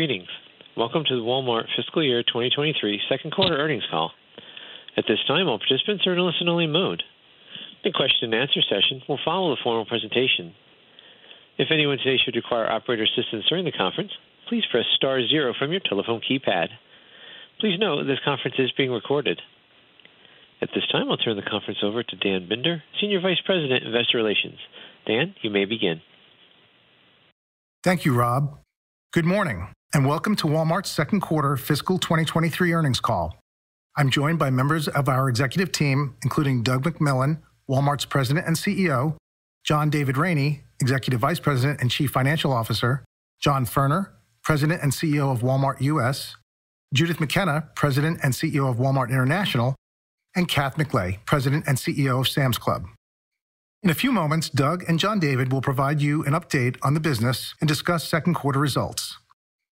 Greetings. Welcome to the Walmart Fiscal Year 2023 second quarter earnings call. At this time, all participants are in a listen-only mode. The question and answer session will follow the formal presentation. If anyone today should require operator assistance during the conference, please press star zero from your telephone keypad. Please note this conference is being recorded. At this time, I'll turn the conference over to Dan Binder, Senior Vice President, Investor Relations. Dan, you may begin. Thank you, Rob. Good morning, and welcome to Walmart's second quarter fiscal 2023 earnings call. I'm joined by members of our executive team, including Doug McMillon, Walmart's President and CEO, John David Rainey, Executive Vice President and Chief Financial Officer, John Furner, President and CEO of Walmart U.S., Judith McKenna, President and CEO of Walmart International, and Kath McLay, President and CEO of Sam's Club. In a few moments, Doug and John David will provide you an update on the business and discuss second quarter results.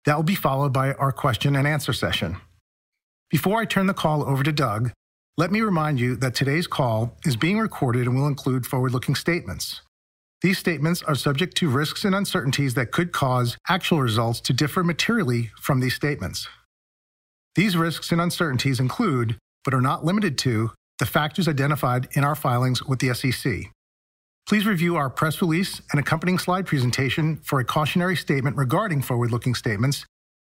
That will be followed by our question and answer session. Before I turn the call over to Doug, let me remind you that today's call is being recorded and will include forward-looking statements. These statements are subject to risks and uncertainties that could cause actual results to differ materially from these statements. These risks and uncertainties include, but are not limited to, the factors identified in our filings with the SEC. Please review our press release and accompanying slide presentation for a cautionary statement regarding forward-looking statements,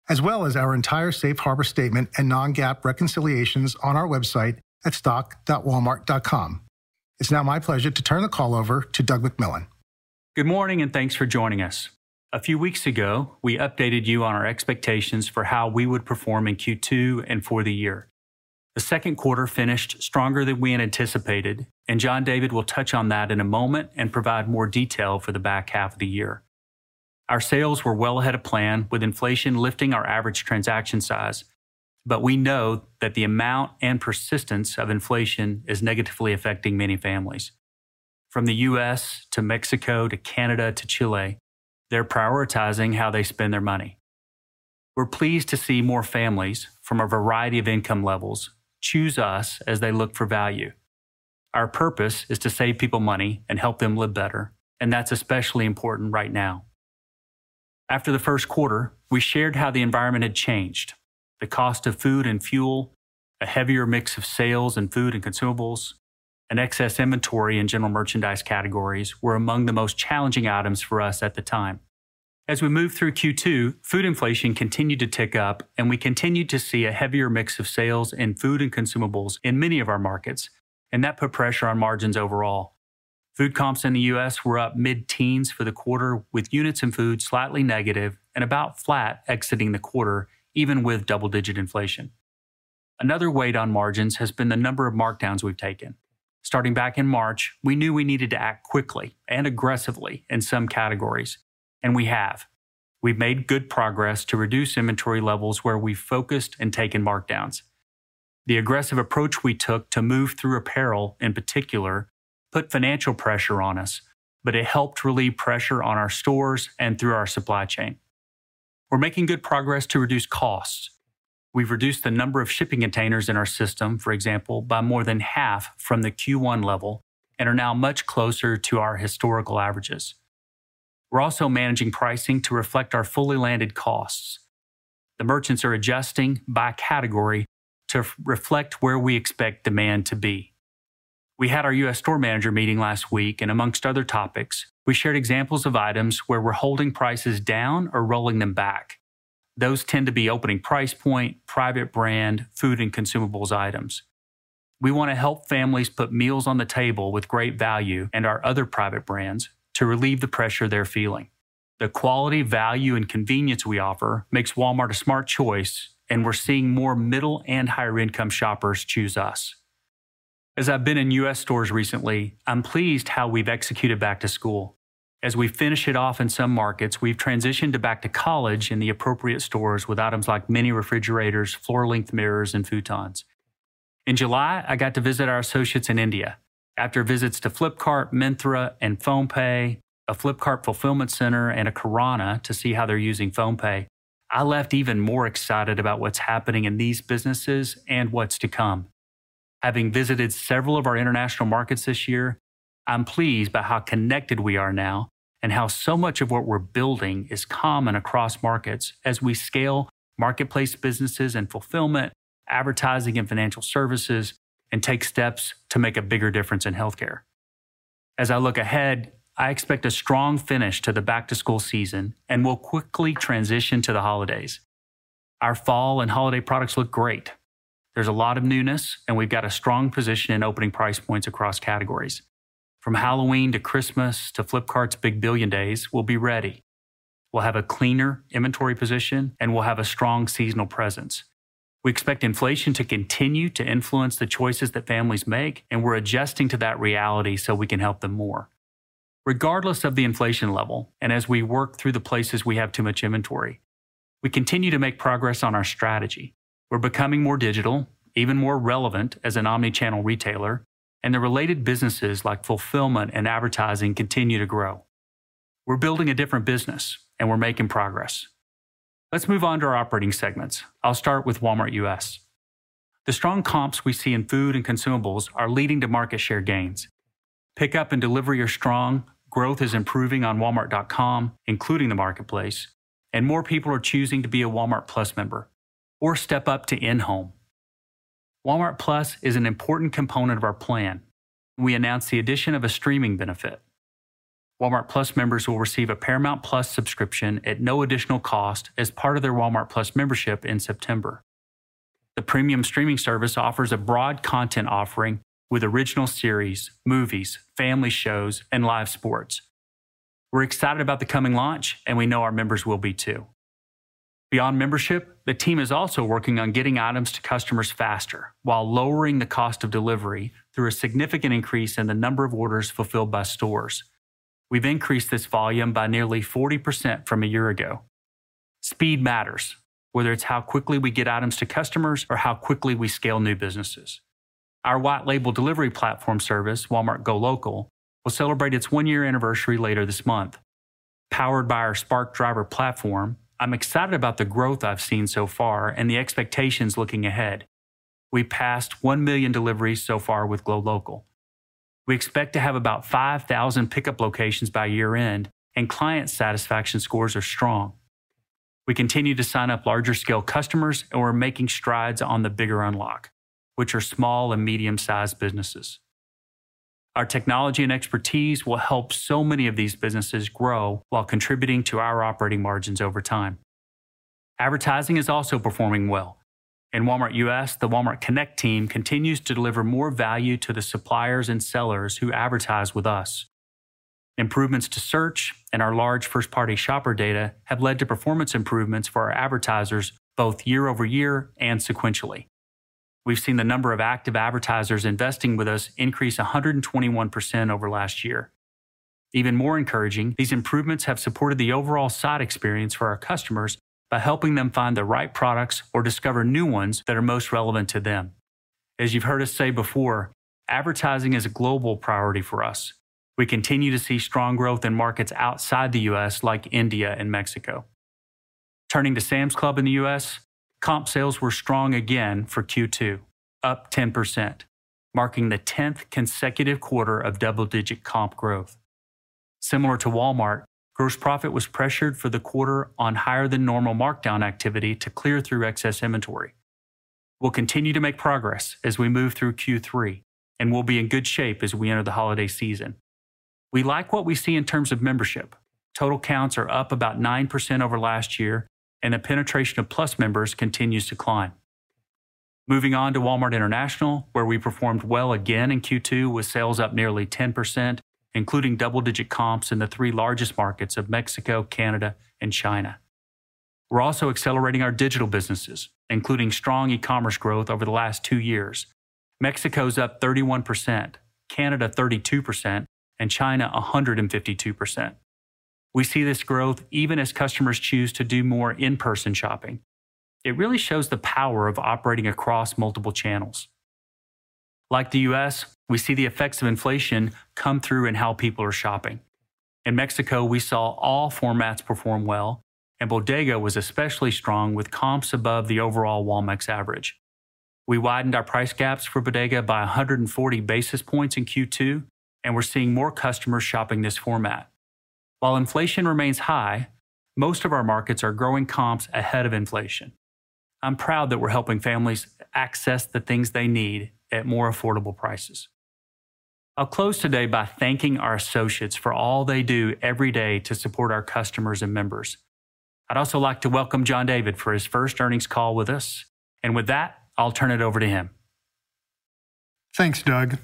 as well as our entire safe harbor statement and non-GAAP reconciliations on our website at stock.walmart.com. It's now my pleasure to turn the call over to Doug McMillon. Good morning, and thanks for joining us. A few weeks ago, we updated you on our expectations for how we would perform in Q2 and for the year. The second quarter finished stronger than we had anticipated, and John David will touch on that in a moment and provide more detail for the back half of the year. Our sales were well ahead of plan with inflation lifting our average transaction size, but we know that the amount and persistence of inflation is negatively affecting many families. From the U.S. to Mexico to Canada to Chile, they're prioritizing how they spend their money. We're pleased to see more families from a variety of income levels choose us as they look for value. Our purpose is to save people money and help them live better, and that's especially important right now. After the first quarter, we shared how the environment had changed. The cost of food and fuel, a heavier mix of sales in food and consumables, and excess inventory in general merchandise categories were among the most challenging items for us at the time. As we moved through Q2, food inflation continued to tick up, and we continued to see a heavier mix of sales in food and consumables in many of our markets, and that put pressure on margins overall. Food comps in the U.S. were up mid-teens for the quarter, with units in food slightly negative and about flat exiting the quarter, even with double-digit inflation. Another weight on margins has been the number of markdowns we've taken. Starting back in March, we knew we needed to act quickly and aggressively in some categories, and we have. We've made good progress to reduce inventory levels where we've focused and taken markdowns. The aggressive approach we took to move through apparel, in particular, put financial pressure on us, but it helped relieve pressure on our stores and through our supply chain. We're making good progress to reduce costs. We've reduced the number of shipping containers in our system, for example, by more than half from the Q1 level and are now much closer to our historical averages. We're also managing pricing to reflect our fully landed costs. The merchants are adjusting by category to reflect where we expect demand to be. We had our U.S. store manager meeting last week, and among other topics, we shared examples of items where we're holding prices down or rolling them back. Those tend to be opening price point, private brand, food and consumables items. We want to help families put meals on the table with Great Value and our other private brands to relieve the pressure they're feeling. The quality, value, and convenience we offer makes Walmart a smart choice, and we're seeing more middle and higher-income shoppers choose us. As I've been in U.S. stores recently, I'm pleased how we've executed back to school. As we finish it off in some markets, we've transitioned to back to college in the appropriate stores with items like mini refrigerators, floor-length mirrors, and futons. In July, I got to visit our associates in India. After visits to Flipkart, Myntra, and PhonePe, a Flipkart fulfillment center, and a Kirana to see how they're using PhonePe, I left even more excited about what's happening in these businesses and what's to come. Having visited several of our international markets this year, I'm pleased by how connected we are now and how so much of what we're building is common across markets as we scale marketplace businesses and fulfillment, advertising, and financial services, and take steps to make a bigger difference in healthcare. As I look ahead, I expect a strong finish to the back-to-school season and will quickly transition to the holidays. Our fall and holiday products look great. There's a lot of newness, and we've got a strong position in opening price points across categories. From Halloween to Christmas to Flipkart's Big Billion Days, we'll be ready. We'll have a cleaner inventory position, and we'll have a strong seasonal presence. We expect inflation to continue to influence the choices that families make, and we're adjusting to that reality so we can help them more. Regardless of the inflation level, and as we work through the places we have too much inventory, we continue to make progress on our strategy. We're becoming more digital, even more relevant as an omnichannel retailer, and the related businesses like fulfillment and advertising continue to grow. We're building a different business, and we're making progress. Let's move on to our operating segments. I'll start with Walmart U.S. The strong comps we see in food and consumables are leading to market share gains. Pickup and delivery are strong, growth is improving on walmart.com, including the Marketplace, and more people are choosing to be a Walmart+ member or step up to InHome. Walmart+ is an important component of our plan. We announced the addition of a streaming benefit. Walmart+ members will receive a Paramount+ subscription at no additional cost as part of their Walmart+ membership in September. The premium streaming service offers a broad content offering with original series, movies, family shows and live sports. We're excited about the coming launch, and we know our members will be, too. Beyond membership, the team is also working on getting items to customers faster while lowering the cost of delivery through a significant increase in the number of orders fulfilled by stores. We've increased this volume by nearly 40% from a year ago. Speed matters, whether it's how quickly we get items to customers or how quickly we scale new businesses. Our white label delivery platform service, Walmart GoLocal, will celebrate its one-year anniversary later this month. Powered by our Spark Driver platform, I'm excited about the growth I've seen so far and the expectations looking ahead. We passed 1 million deliveries so far with GoLocal. We expect to have about 5,000 pickup locations by year-end, and client satisfaction scores are strong. We continue to sign up larger scale customers, and we're making strides on the bigger unlock, which are small and medium-sized businesses. Our technology and expertise will help so many of these businesses grow while contributing to our operating margins over time. Advertising is also performing well. In Walmart U.S., the Walmart Connect team continues to deliver more value to the suppliers and sellers who advertise with us. Improvements to search and our large first-party shopper data have led to performance improvements for our advertisers both year-over-year and sequentially. We've seen the number of active advertisers investing with us increase 121% over last year. Even more encouraging, these improvements have supported the overall site experience for our customers by helping them find the right products or discover new ones that are most relevant to them. As you've heard us say before, advertising is a global priority for us. We continue to see strong growth in markets outside the U.S., like India and Mexico. Turning to Sam's Club in the U.S., comp sales were strong again for Q2, up 10%, marking the tenth consecutive quarter of double-digit comp growth. Similar to Walmart, gross profit was pressured for the quarter on higher than normal markdown activity to clear through excess inventory. We'll continue to make progress as we move through Q3, and we'll be in good shape as we enter the holiday season. We like what we see in terms of membership. Total counts are up about 9% over last year, and the penetration of Plus members continues to climb. Moving on to Walmart International, where we performed well again in Q2 with sales up nearly 10%, including double-digit comps in the three largest markets of Mexico, Canada, and China. We're also accelerating our digital businesses, including strong e-commerce growth over the last two years. Mexico's up 31%, Canada 32%, and China 152%. We see this growth even as customers choose to do more in-person shopping. It really shows the power of operating across multiple channels. Like the U.S., we see the effects of inflation come through in how people are shopping. In Mexico, we saw all formats perform well, and Bodega was especially strong with comps above the overall Walmex average. We widened our price gaps for Bodega by 140 basis points in Q2, and we're seeing more customers shopping this format. While inflation remains high, most of our markets are growing comps ahead of inflation. I'm proud that we're helping families access the things they need at more affordable prices. I'll close today by thanking our associates for all they do every day to support our customers and members. I'd also like to welcome John David Rainey for his first earnings call with us. With that, I'll turn it over to him. Thanks, Doug.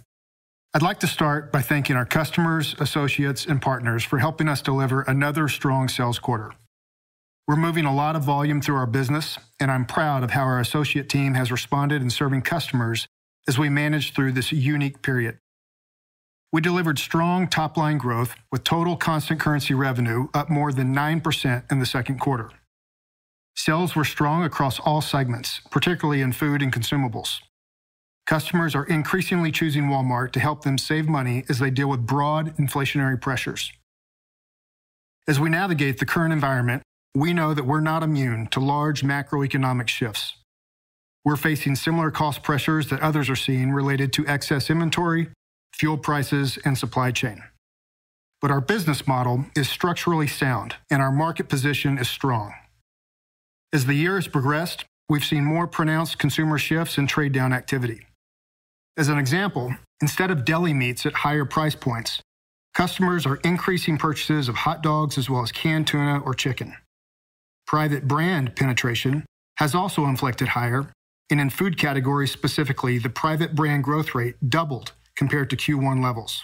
I'd like to start by thanking our customers, associates, and partners for helping us deliver another strong sales quarter. We're moving a lot of volume through our business, and I'm proud of how our associate team has responded in serving customers as we manage through this unique period. We delivered strong top-line growth with total constant currency revenue up more than 9% in the second quarter. Sales were strong across all segments, particularly in food and consumables. Customers are increasingly choosing Walmart to help them save money as they deal with broad inflationary pressures. As we navigate the current environment, we know that we're not immune to large macroeconomic shifts. We're facing similar cost pressures that others are seeing related to excess inventory, fuel prices, and supply chain. Our business model is structurally sound, and our market position is strong. As the year has progressed, we've seen more pronounced consumer shifts and trade-down activity. As an example, instead of deli meats at higher price points, customers are increasing purchases of hot dogs as well as canned tuna or chicken. Private brand penetration has also inflected higher, and in food categories specifically, the private brand growth rate doubled compared to Q1 levels.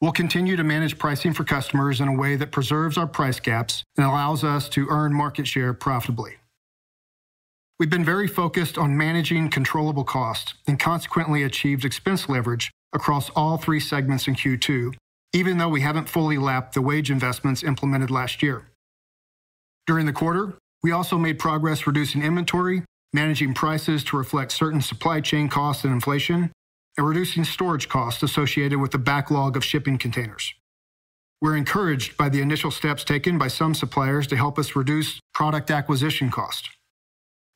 We'll continue to manage pricing for customers in a way that preserves our price gaps and allows us to earn market share profitably. We've been very focused on managing controllable costs and consequently achieved expense leverage across all three segments in Q2, even though we haven't fully lapped the wage investments implemented last year. During the quarter, we also made progress reducing inventory, managing prices to reflect certain supply chain costs and inflation, and reducing storage costs associated with the backlog of shipping containers. We're encouraged by the initial steps taken by some suppliers to help us reduce product acquisition cost.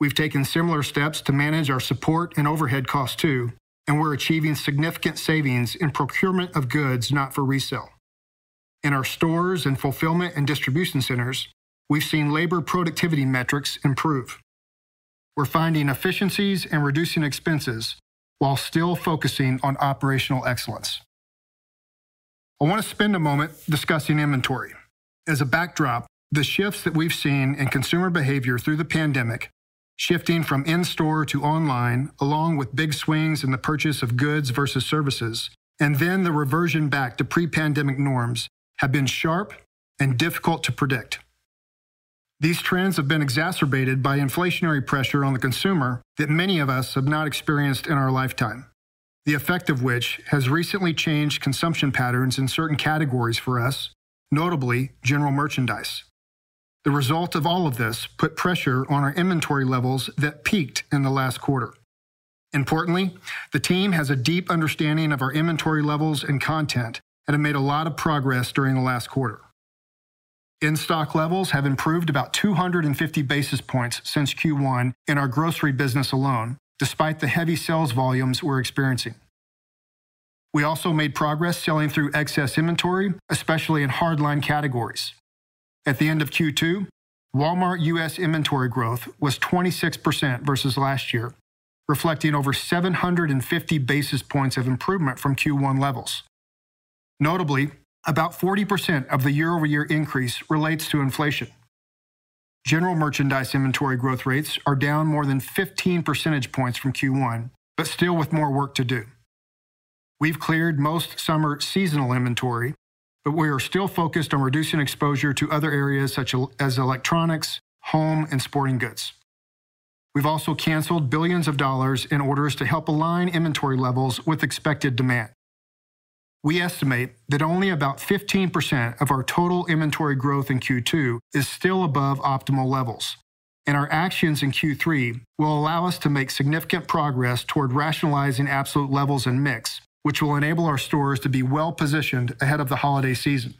We've taken similar steps to manage our support and overhead costs too, and we're achieving significant savings in procurement of goods not for resale. In our stores and fulfillment and distribution centers, we've seen labor productivity metrics improve. We're finding efficiencies and reducing expenses while still focusing on operational excellence. I want to spend a moment discussing inventory. As a backdrop, the shifts that we've seen in consumer behavior through the pandemic, shifting from in-store to online, along with big swings in the purchase of goods versus services, and then the reversion back to pre-pandemic norms, have been sharp and difficult to predict. These trends have been exacerbated by inflationary pressure on the consumer that many of us have not experienced in our lifetime, the effect of which has recently changed consumption patterns in certain categories for us, notably general merchandise. The result of all of this put pressure on our inventory levels that peaked in the last quarter. Importantly, the team has a deep understanding of our inventory levels and content and have made a lot of progress during the last quarter. In-stock levels have improved about 250 basis points since Q1 in our grocery business alone, despite the heavy sales volumes we're experiencing. We also made progress selling through excess inventory, especially in hardline categories. At the end of Q2, Walmart U.S. inventory growth was 26% versus last year, reflecting over 750 basis points of improvement from Q1 levels. Notably, about 40% of the year-over-year increase relates to inflation. General merchandise inventory growth rates are down more than 15 percentage points from Q1, but still with more work to do. We've cleared most summer seasonal inventory, but we are still focused on reducing exposure to other areas as electronics, home, and sporting goods. We've also canceled $ billions in orders to help align inventory levels with expected demand. We estimate that only about 15% of our total inventory growth in Q2 is still above optimal levels, and our actions in Q3 will allow us to make significant progress toward rationalizing absolute levels and mix, which will enable our stores to be well-positioned ahead of the holiday season.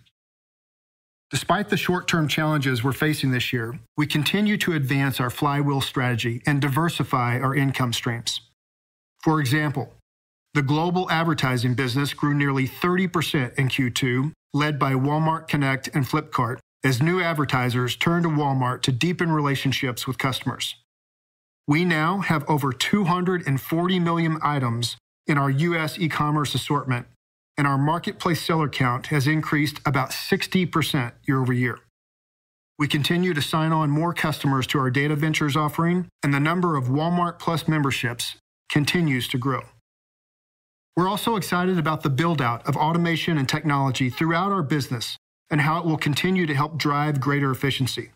Despite the short-term challenges we're facing this year, we continue to advance our Flywheel strategy and diversify our income streams. For example, the global advertising business grew nearly 30% in Q2, led by Walmart Connect and Flipkart, as new advertisers turn to Walmart to deepen relationships with customers. We now have over 240 million items in our U.S. e-commerce assortment, and our marketplace seller count has increased about 60% year-over-year. We continue to sign on more customers to our Data Ventures offering and the number of Walmart+ memberships continues to grow. We're also excited about the build-out of automation and technology throughout our business and how it will continue to help drive greater efficiency.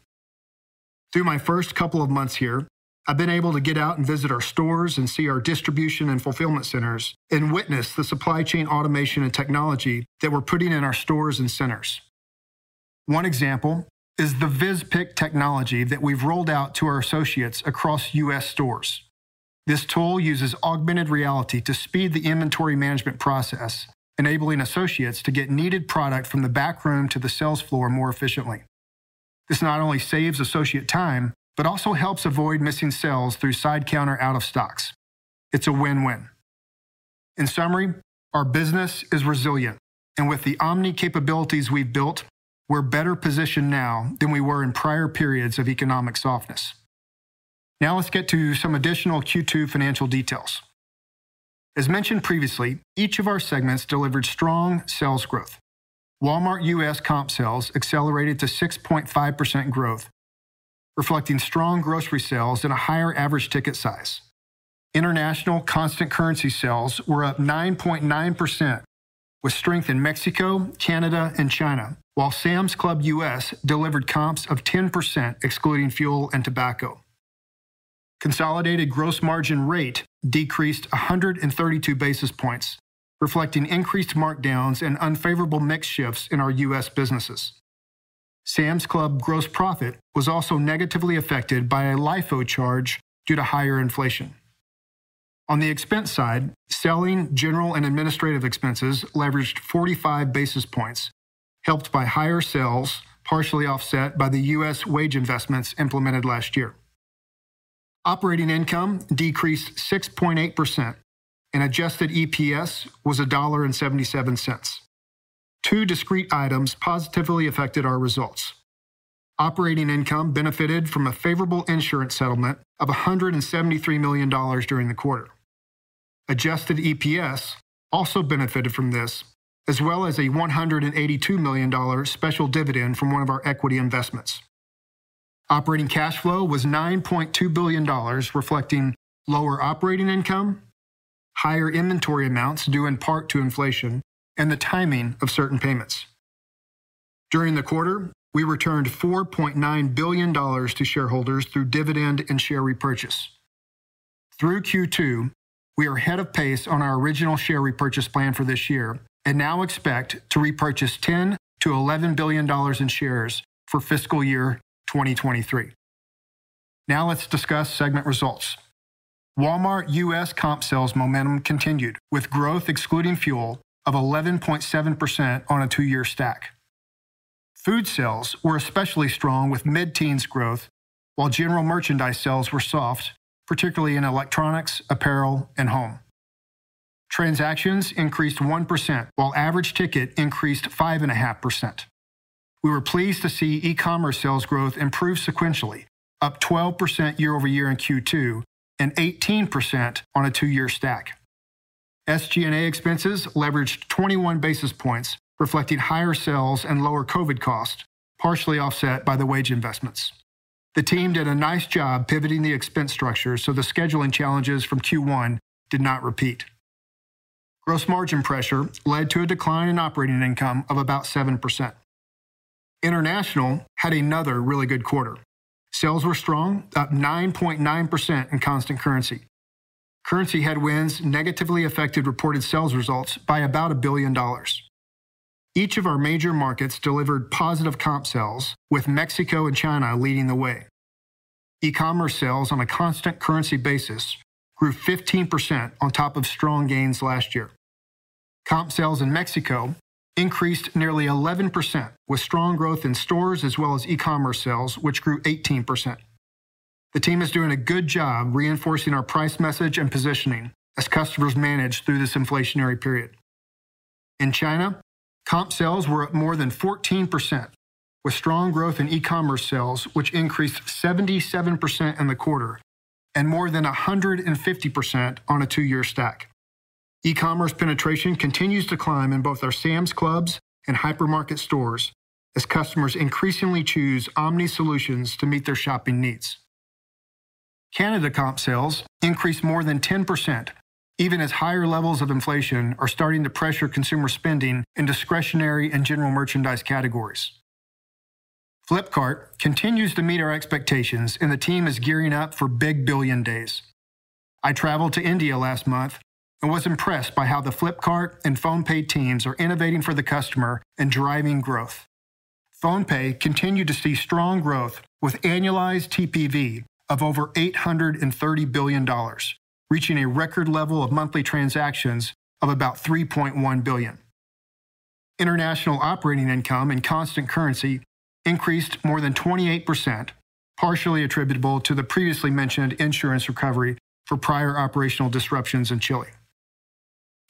Through my first couple of months here, I've been able to get out and visit our stores and see our distribution and fulfillment centers and witness the supply chain automation and technology that we're putting in our stores and centers. One example is the VizPick technology that we've rolled out to our associates across U.S. stores. This tool uses augmented reality to speed the inventory management process, enabling associates to get needed product from the back room to the sales floor more efficiently. This not only saves associate time, but also helps avoid missing sales through sidecounter out of stocks. It's a win-win. In summary, our business is resilient, and with the omni capabilities we've built, we're better positioned now than we were in prior periods of economic softness. Now let's get to some additional Q2 financial details. As mentioned previously, each of our segments delivered strong sales growth. Walmart U.S. comp sales accelerated to 6.5% growth, reflecting strong grocery sales at a higher average ticket size. International constant currency sales were up 9.9% with strength in Mexico, Canada, and China, while Sam's Club U.S. delivered comps of 10% excluding fuel and tobacco. Consolidated gross margin rate decreased 132 basis points, reflecting increased markdowns and unfavorable mix shifts in our U.S. businesses. Sam's Club gross profit was also negatively affected by a LIFO charge due to higher inflation. On the expense side, selling, general, and administrative expenses leveraged 45 basis points, helped by higher sales, partially offset by the U.S. wage investments implemented last year. Operating income decreased 6.8% and adjusted EPS was $1.77. Two discrete items positively affected our results. Operating income benefited from a favorable insurance settlement of $173 million during the quarter. Adjusted EPS also benefited from this, as well as a $182 million special dividend from one of our equity investments. Operating cash flow was $9.2 billion, reflecting lower operating income, higher inventory amounts due in part to inflation, and the timing of certain payments. During the quarter, we returned $4.9 billion to shareholders through dividend and share repurchase. Through Q2, we are ahead of pace on our original share repurchase plan for this year and now expect to repurchase $10 billion-$11 billion in shares for fiscal year 2023. Now let's discuss segment results. Walmart US comp sales momentum continued with growth excluding fuel of 11.7% on a two-year stack. Food sales were especially strong with mid-teens growth, while general merchandise sales were soft, particularly in electronics, apparel, and home. Transactions increased 1% while average ticket increased 5.5%. We were pleased to see e-commerce sales growth improve sequentially, up 12% year-over-year in Q2 and 18% on a two-year stack. SG&A expenses leveraged 21 basis points, reflecting higher sales and lower COVID costs, partially offset by the wage investments. The team did a nice job pivoting the expense structure so the scheduling challenges from Q1 did not repeat. Gross margin pressure led to a decline in operating income of about 7%. International had another really good quarter. Sales were strong, up 9.9% in constant currency. Currency headwinds negatively affected reported sales results by about $1 billion. Each of our major markets delivered positive comp sales, with Mexico and China leading the way. E-commerce sales on a constant currency basis grew 15% on top of strong gains last year. Comp sales in Mexico increased nearly 11% with strong growth in stores as well as e-commerce sales, which grew 18%. The team is doing a good job reinforcing our price message and positioning as customers manage through this inflationary period. In China, comp sales were up more than 14%, with strong growth in e-commerce sales, which increased 77% in the quarter and more than 150% on a two-year stack. E-commerce penetration continues to climb in both our Sam's Clubs and hypermarket stores as customers increasingly choose omni solutions to meet their shopping needs. Canada comp sales increased more than 10% even as higher levels of inflation are starting to pressure consumer spending in discretionary and general merchandise categories. Flipkart continues to meet our expectations and the team is gearing up for Big Billion Days. I traveled to India last month and was impressed by how the Flipkart and PhonePe teams are innovating for the customer and driving growth. PhonePe continued to see strong growth with annualized TPV of over $830 billion, reaching a record level of monthly transactions of about 3.1 billion. International operating income in constant currency increased more than 28%, partially attributable to the previously mentioned insurance recovery for prior operational disruptions in Chile.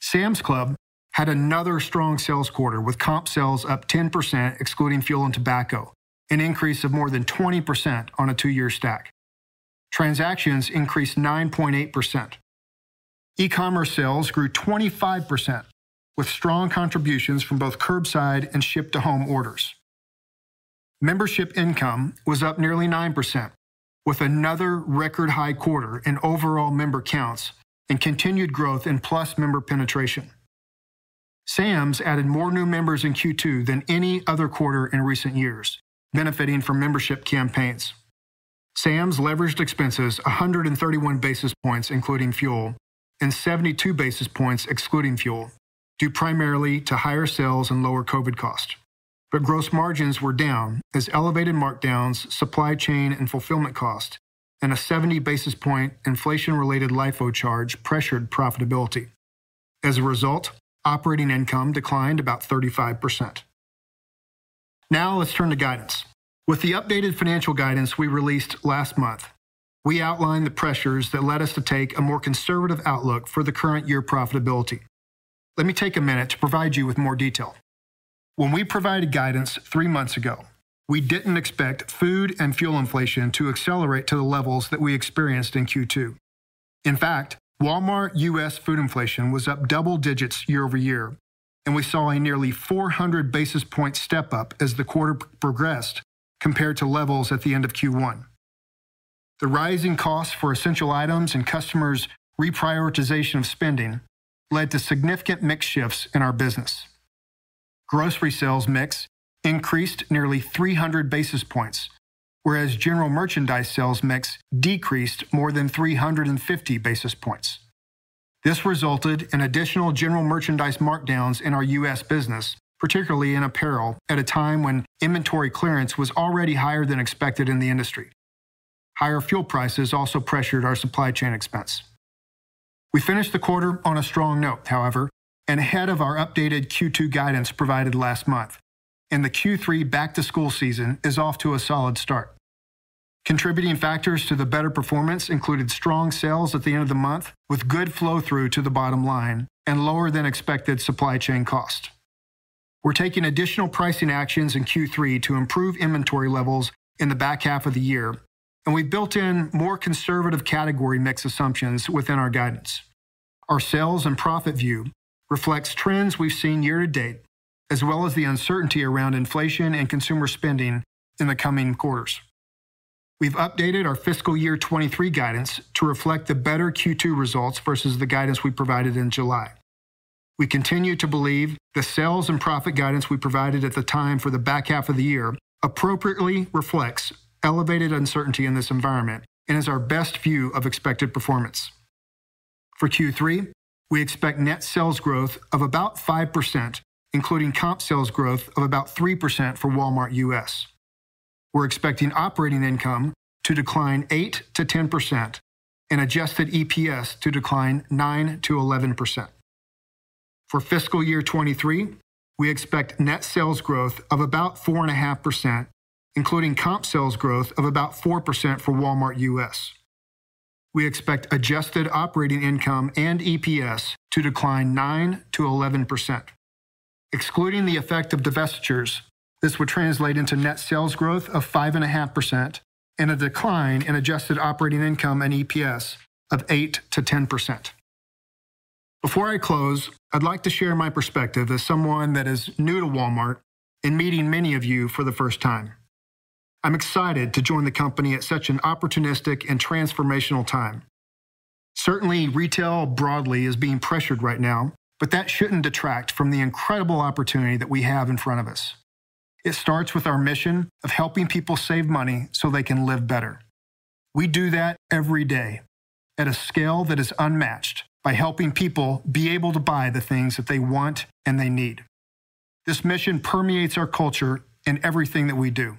Sam's Club had another strong sales quarter with comp sales up 10% excluding fuel and tobacco, an increase of more than 20% on a two-year stack. Transactions increased 9.8%. E-commerce sales grew 25% with strong contributions from both curbside and ship-to-home orders. Membership income was up nearly 9% with another record high quarter in overall member counts and continued growth in Plus member penetration. Sam's added more new members in Q2 than any other quarter in recent years, benefiting from membership campaigns. Sam's leveraged expenses 131 basis points, including fuel, and 72 basis points excluding fuel, due primarily to higher sales and lower COVID costs. Gross margins were down as elevated markdowns, supply chain, and fulfillment costs, and a 70 basis point inflation-related LIFO charge pressured profitability. As a result, operating income declined about 35%. Now let's turn to guidance. With the updated financial guidance we released last month, we outlined the pressures that led us to take a more conservative outlook for the current year profitability. Let me take a minute to provide you with more detail. When we provided guidance three months ago, we didn't expect food and fuel inflation to accelerate to the levels that we experienced in Q2. In fact, Walmart U.S. food inflation was up double digits year-over-year, and we saw a nearly 400 basis points step-up as the quarter progressed compared to levels at the end of Q1. The rising cost for essential items and customers' reprioritization of spending led to significant mix shifts in our business. Grocery sales mix increased nearly 300 basis points, whereas general merchandise sales mix decreased more than 350 basis points. This resulted in additional general merchandise markdowns in our U.S. business, particularly in apparel, at a time when inventory clearance was already higher than expected in the industry. Higher fuel prices also pressured our supply chain expense. We finished the quarter on a strong note, however, and ahead of our updated Q2 guidance provided last month. The Q3 back-to-school season is off to a solid start. Contributing factors to the better performance included strong sales at the end of the month with good flow-through to the bottom line and lower than expected supply chain cost. We're taking additional pricing actions in Q3 to improve inventory levels in the back half of the year, and we built in more conservative category mix assumptions within our guidance. Our sales and profit view reflects trends we've seen year-to-date, as well as the uncertainty around inflation and consumer spending in the coming quarters. We've updated our fiscal year 2023 guidance to reflect the better Q2 results versus the guidance we provided in July. We continue to believe the sales and profit guidance we provided at the time for the back half of the year appropriately reflects elevated uncertainty in this environment and is our best view of expected performance. For Q3, we expect net sales growth of about 5%, including comp sales growth of about 3% for Walmart U.S. We're expecting operating income to decline 8%-10% and adjusted EPS to decline 9%-11%. For fiscal year 2023, we expect net sales growth of about 4.5%, including comp sales growth of about 4% for Walmart U.S. We expect adjusted operating income and EPS to decline 9%-11%. Excluding the effect of divestitures, this would translate into net sales growth of 5.5% and a decline in adjusted operating income and EPS of 8%-10%. Before I close, I'd like to share my perspective as someone that is new to Walmart in meeting many of you for the first time. I'm excited to join the company at such an opportunistic and transformational time. Certainly, retail broadly is being pressured right now, but that shouldn't detract from the incredible opportunity that we have in front of us. It starts with our mission of helping people save money so they can live better. We do that every day at a scale that is unmatched by helping people be able to buy the things that they want and they need. This mission permeates our culture in everything that we do.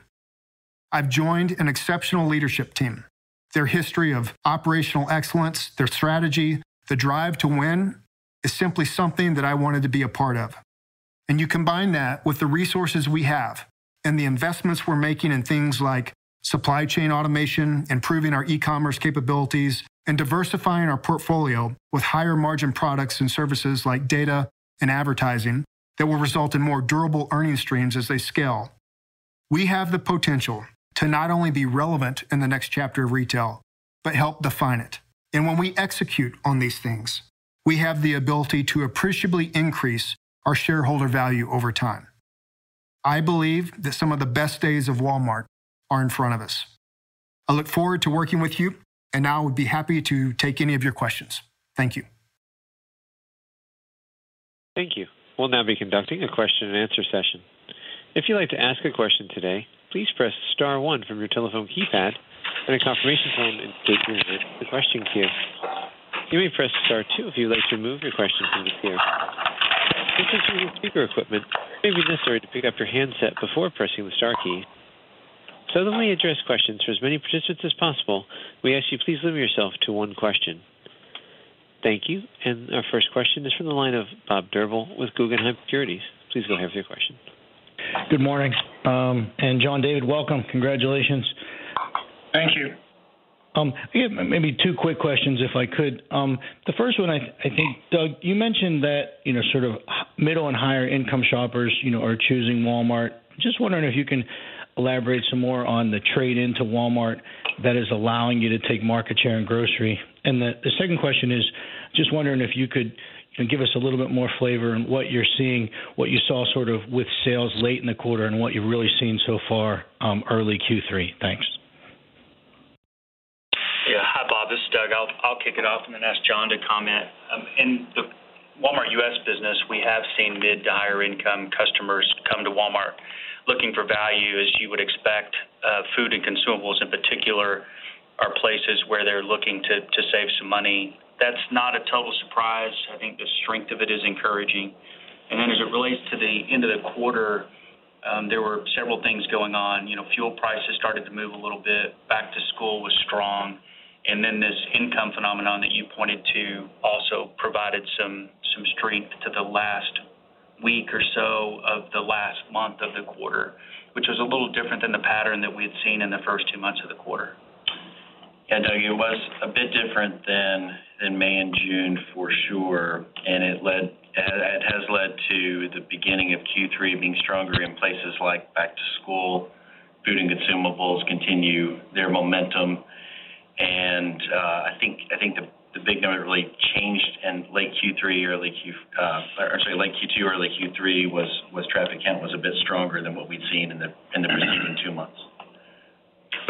I've joined an exceptional leadership team. Their history of operational excellence, their strategy, the drive to win is simply something that I wanted to be a part of. You combine that with the resources we have and the investments we're making in things like supply chain automation, improving our e-commerce capabilities, and diversifying our portfolio with higher-margin products and services like data and advertising that will result in more durable earning streams as they scale. We have the potential to not only be relevant in the next chapter of retail, but help define it. When we execute on these things, we have the ability to appreciably increase our shareholder value over time. I believe that some of the best days of Walmart are in front of us. I look forward to working with you, and now I would be happy to take any of your questions. Thank you. Thank you. We'll now be conducting a question and answer session. If you'd like to ask a question today, please press star one from your telephone keypad and a confirmation tone indicates you're entered in the question queue. You may press star two if you'd like to remove your question from the queue. If you're using speaker equipment, it may be necessary to pick up your handset before pressing the star key. So that we address questions for as many participants as possible, we ask you please limit yourself to one question. Thank you. Our first question is from the line of Robert Ohmes with Guggenheim Securities. Please go ahead with your question. Good morning. John David Rainey, welcome. Congratulations. Thank you. I have maybe two quick questions, if I could. The first one, I think, Doug, you mentioned that, you know, sort of middle and higher income shoppers, you know, are choosing Walmart. Just wondering if you can elaborate some more on the trade down to Walmart that is allowing you to take market share in grocery. The second question is, just wondering if you could, you know, give us a little bit more flavor in what you're seeing, what you saw sort of with sales late in the quarter and what you're really seeing so far, early Q3. Thanks. Yeah. Hi, Bob. This is Doug. I'll kick it off and then ask John to comment. In the Walmart U.S. business, we have seen mid- to higher-income customers come to Walmart looking for value, as you would expect. Food and consumables in particular are places where they're looking to save some money. That's not a total surprise. I think the strength of it is encouraging. As it relates to the end of the quarter, there were several things going on. You know, fuel prices started to move a little bit. Back to school was strong. This income phenomenon that you pointed to also provided some strength to the last week or so of the last month of the quarter, which was a little different than the pattern that we had seen in the first two months of the quarter. Yeah. No, it was a bit different than May and June for sure, and it has led to the beginning of Q3 being stronger in places like back-to-school. Food and consumables continue their momentum. I think the big number really changed in late Q2, early Q3. Traffic count was a bit stronger than what we'd seen in the preceding two months.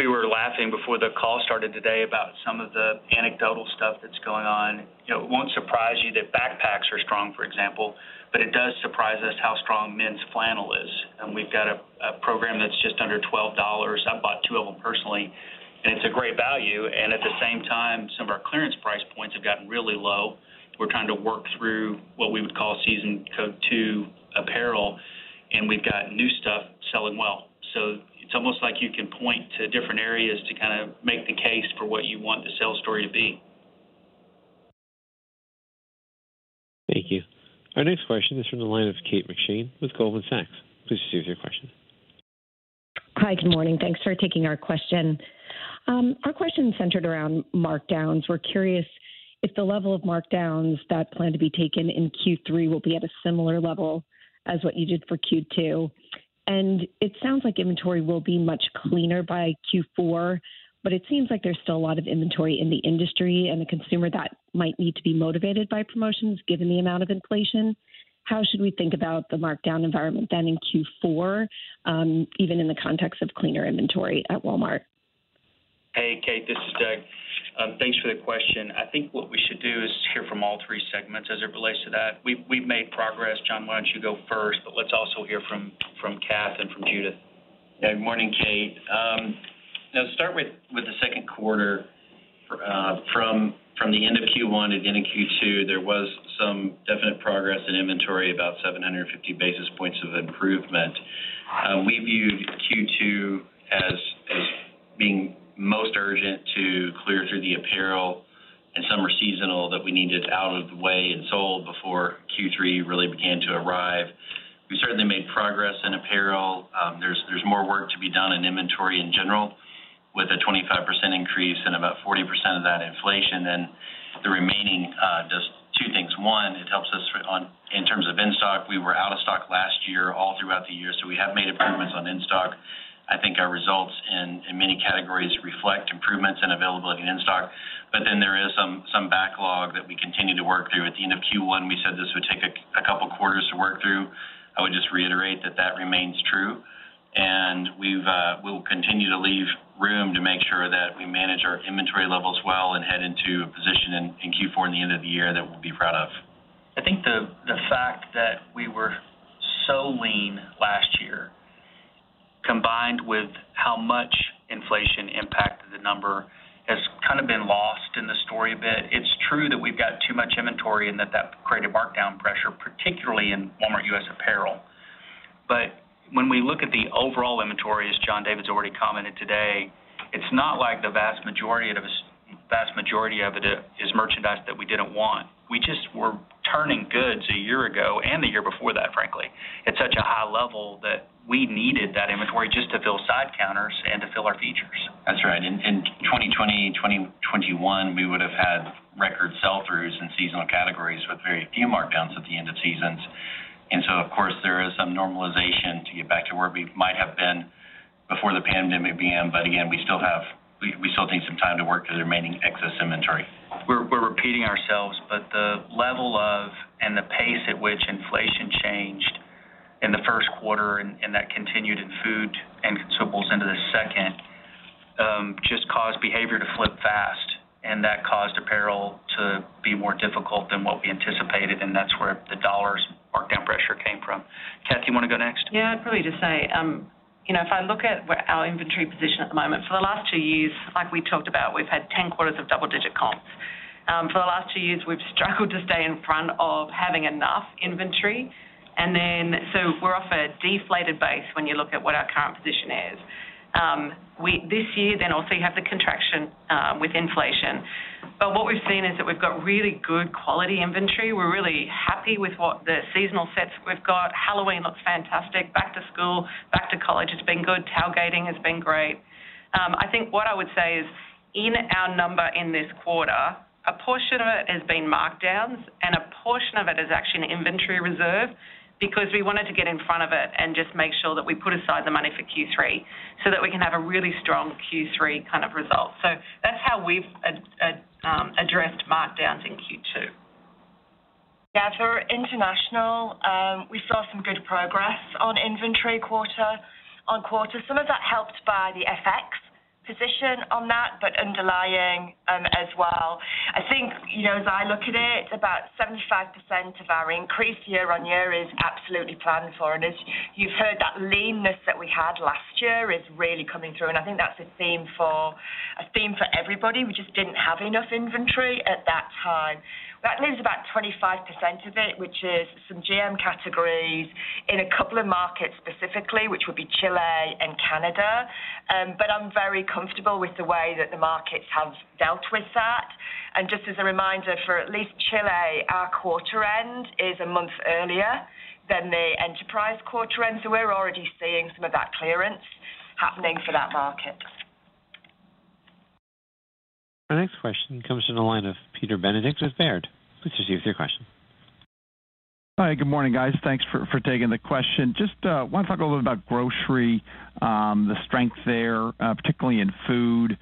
We were laughing before the call started today about some of the anecdotal stuff that's going on. You know, it won't surprise you that backpacks are strong, for example, but it does surprise us how strong men's flannel is. We've got a program that's just under $12. I've bought two of them personally, and it's a great value. At the same time, some of our clearance price points have gotten really low. We're trying to work through what we would call season code 2 apparel, and we've got new stuff selling well. It's almost like you can point to different areas to kinda make the case for what you want the sales story to be. Thank you. Our next question is from the line of Kate McShane with Goldman Sachs. Please proceed with your question. Hi. Good morning. Thanks for taking our question. Our question is centered around markdowns. We're curious if the level of markdowns that plan to be taken in Q3 will be at a similar level as what you did for Q2. It sounds like inventory will be much cleaner by Q4, but it seems like there's still a lot of inventory in the industry and the consumer that might need to be motivated by promotions given the amount of inflation. How should we think about the markdown environment then in Q4, even in the context of cleaner inventory at Walmart? Hey, Kate, this is Doug. Thanks for the question. I think what we should do is hear from John. We've made progress. John, why don't you go first, but let's also hear from Kath and from Judith. Good morning, Kate. Now to start with the second quarter, from the end of Q1 and beginning Q2, there was some definite progress in inventory, about 750 basis points of improvement. We viewed Q2 as being most urgent to clear through the apparel and summer seasonal that we needed out of the way and sold before Q3 really began to arrive. We certainly made progress in apparel. There's more work to be done in inventory in general with a 25% increase and about 40% of that inflation and the remaining does two things. One, it helps us in terms of in-stock. We were out of stock last year all throughout the year, so we have made improvements on in-stock. I think our results in many categories reflect improvements in availability and in-stock. There is some backlog that we continue to work through. At the end of Q1, we said this would take a couple quarters to work through. I would just reiterate that remains true. We'll continue to leave room to make sure that we manage our inventory levels well and head into a position in Q4 in the end of the year that we'll be proud of. I think the fact that we were so lean last year, combined with how much inflation impacted the number, has kind of been lost in the story a bit. It's true that we've got too much inventory and that created markdown pressure, particularly in Walmart U.S. apparel. When we look at the overall inventory, as John David's already commented today, it's not like the vast majority of it is merchandise that we didn't want. We just were turning goods a year ago and the year before that, frankly, at such a high level that we needed that inventory just to fill side counters and to fill our features. That's right. In 2020, 2021, we would have had record sell-throughs in seasonal categories with very few markdowns at the end of seasons. Of course, there is some normalization to get back to where we might have been before the pandemic began. Again, we still need some time to work through the remaining excess inventory. We're repeating ourselves, but the level and the pace at which inflation changed in the first quarter and that continued in food and consumables into the second just caused behavior to flip fast, and that caused apparel to be more difficult than what we anticipated, and that's where the dollars markdown pressure came from. Kath, you want to go next? Yeah. I'd probably just say, you know, if I look at our inventory position at the moment, for the last two years, like we talked about, we've had 10 quarters of double-digit comps. For the last two years, we've struggled to stay in front of having enough inventory. We're off a deflated base when you look at what our current position is. This year, then also you have the contraction with inflation. What we've seen is that we've got really good quality inventory. We're really happy with what the seasonal sets we've got. Halloween looks fantastic. Back to school, back to college has been good. Tailgating has been great. I think what I would say is in our number in this quarter, a portion of it has been markdowns and a portion of it is actually an inventory reserve because we wanted to get in front of it and just make sure that we put aside the money for Q3 so that we can have a really strong Q3 kind of result. That's how we've addressed markdowns in Q2. Yeah. For international, we saw some good progress on inventory quarter-over-quarter. Some of that helped by the FX position on that, but underlying, as well. I think, you know, as I look at it, about 75% of our increase year-over-year is absolutely planned for. As you've heard, that leanness that we had last year is really coming through. I think that's a theme for everybody. We just didn't have enough inventory at that time. That leaves about 25% of it, which is some GM categories in a couple of markets specifically, which would be Chile and Canada. But I'm very comfortable with the way that the markets have dealt with that. Just as a reminder, for at least Chile, our quarter end is a month earlier than the enterprise quarter end. We're already seeing some of that clearance happening for that market. Our next question comes from the line of Peter Benedict with Baird. Please proceed with your question. Hi. Good morning, guys. Thanks for taking the question. Just want to talk a little bit about grocery, the strength there, particularly in food.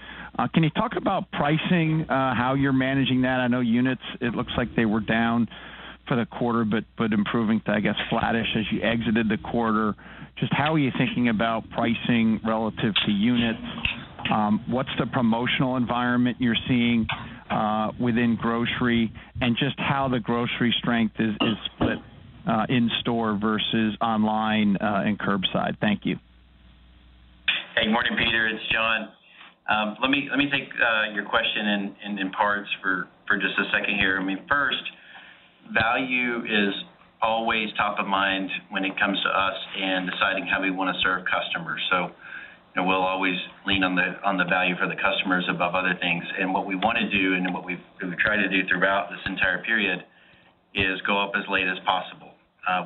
Can you talk about pricing, how you're managing that? I know units, it looks like they were down for the quarter, but improving, I guess, flattish as you exited the quarter. Just how are you thinking about pricing relative to units? What's the promotional environment you're seeing within grocery? Just how the grocery strength is split in store versus online and curbside. Thank you. Hey, morning, Peter. It's John. Let me take your question in parts for just a second here. I mean, first, value is always top of mind when it comes to us and deciding how we want to serve customers. You know, we'll always lean on the value for the customers above other things. What we wanna do and what we've tried to do throughout this entire period is go up as late as possible.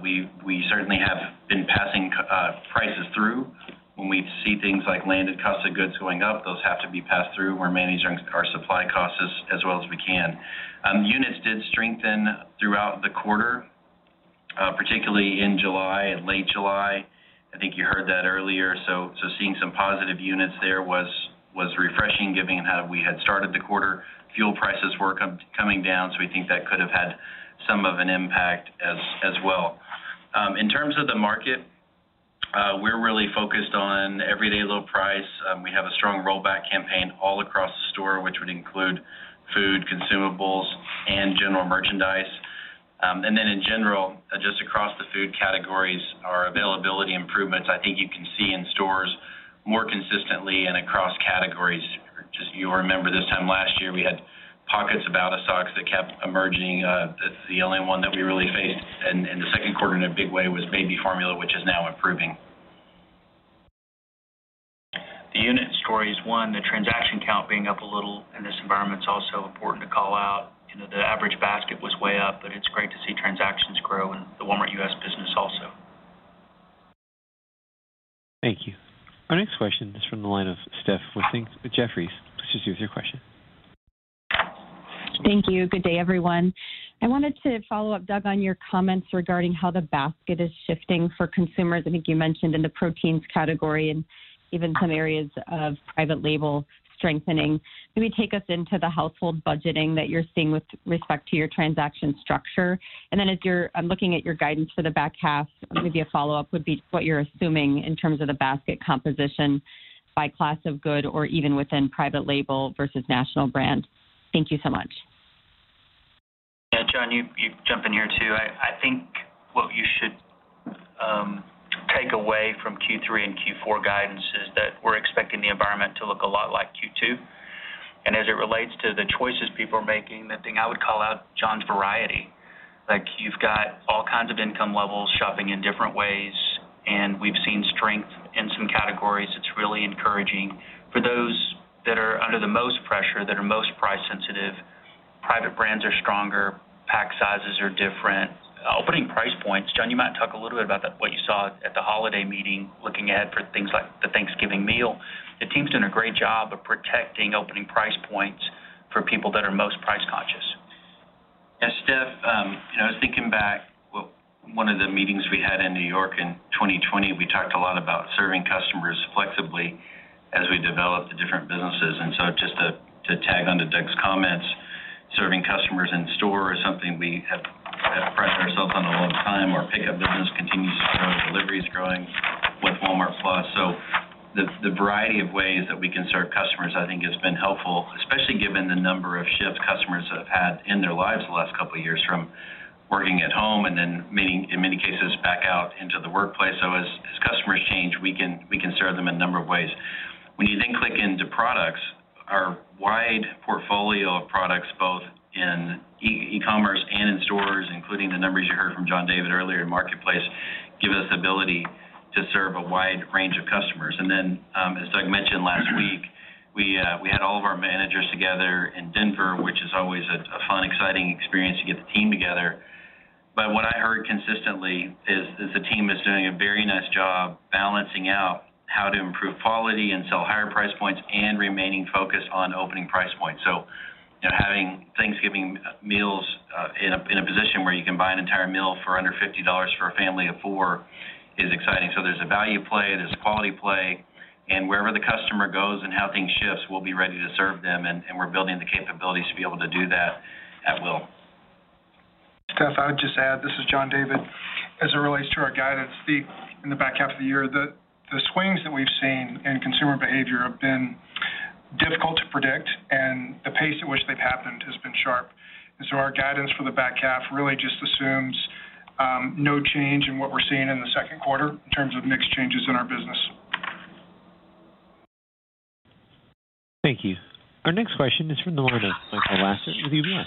We certainly have been passing prices through. When we see things like landed cost of goods going up, those have to be passed through. We're managing our supply costs as well as we can. Units did strengthen throughout the quarter, particularly in July, late July. I think you heard that earlier. Seeing some positive units there was refreshing given how we had started the quarter. Fuel prices were coming down, so we think that could have had some of an impact as well. In terms of the market We're really focused on everyday low price. We have a strong rollback campaign all across the store, which would include food, consumables, and general merchandise. In general, just across the food categories, our availability improvements, I think you can see in stores more consistently and across categories. Just you'll remember this time last year, we had pockets of out of stocks that kept emerging. That's the only one that we really faced in the second quarter in a big way was baby formula, which is now improving. The unit story is one, the transaction count being up a little in this environment is also important to call out. You know, the average basket was way up, but it's great to see transactions grow in the Walmart U.S. business also. Thank you. Our next question is from the line of Stephanie Wissink with Jefferies. Steph, your question. Thank you. Good day, everyone. I wanted to follow up, Doug, on your comments regarding how the basket is shifting for consumers. I think you mentioned in the proteins category and even some areas of private label strengthening. Can you take us into the household budgeting that you're seeing with respect to your transaction structure? I'm looking at your guidance for the back half. Maybe a follow-up would be what you're assuming in terms of the basket composition by class of good or even within private label versus national brand. Thank you so much. Yeah, John, you jump in here too. I think what you should take away from Q3 and Q4 guidance is that we're expecting the environment to look a lot like Q2. As it relates to the choices people are making, the thing I would call out, John, is variety. Like, you've got all kinds of income levels shopping in different ways, and we've seen strength in some categories. It's really encouraging. For those that are under the most pressure, that are most price sensitive, private brands are stronger, pack sizes are different. Opening price points, John, you might talk a little bit about that, what you saw at the holiday meeting, looking ahead for things like the Thanksgiving meal. The team's doing a great job of protecting opening price points for people that are most price conscious. Yes, Steph. You know, I was thinking back, well, one of the meetings we had in New York in 2020, we talked a lot about serving customers flexibly as we developed the different businesses. Just to tag on to Doug's comments, serving customers in store is something we have prided ourselves on a long time. Our pickup business continues to grow, delivery is growing with Walmart+. The variety of ways that we can serve customers, I think, has been helpful, especially given the number of shifts customers have had in their lives the last couple of years from working at home and then many, in many cases back out into the workplace. As customers change, we can serve them in a number of ways. When you then click into products, our wide portfolio of products, both in e-commerce and in stores, including the numbers you heard from John David earlier in Marketplace, give us ability to serve a wide range of customers. As Doug mentioned last week, we had all of our managers together in Denver, which is always a fun, exciting experience to get the team together. What I heard consistently is that the team is doing a very nice job balancing out how to improve quality and sell higher price points and remaining focused on opening price points. You know, having Thanksgiving meals in a position where you can buy an entire meal for under $50 for a family of four is exciting. There's a value play, there's a quality play, and wherever the customer goes and how things shifts, we'll be ready to serve them. We're building the capabilities to be able to do that at will. Steph, I would just add, this is John David. As it relates to our guidance, in the back half of the year, the swings that we've seen in consumer behavior have been difficult to predict, and the pace at which they've happened has been sharp. Our guidance for the back half really just assumes no change in what we're seeing in the second quarter in terms of mix changes in our business. Thank you. Our next question is from the line of Michael Lasser with UBS.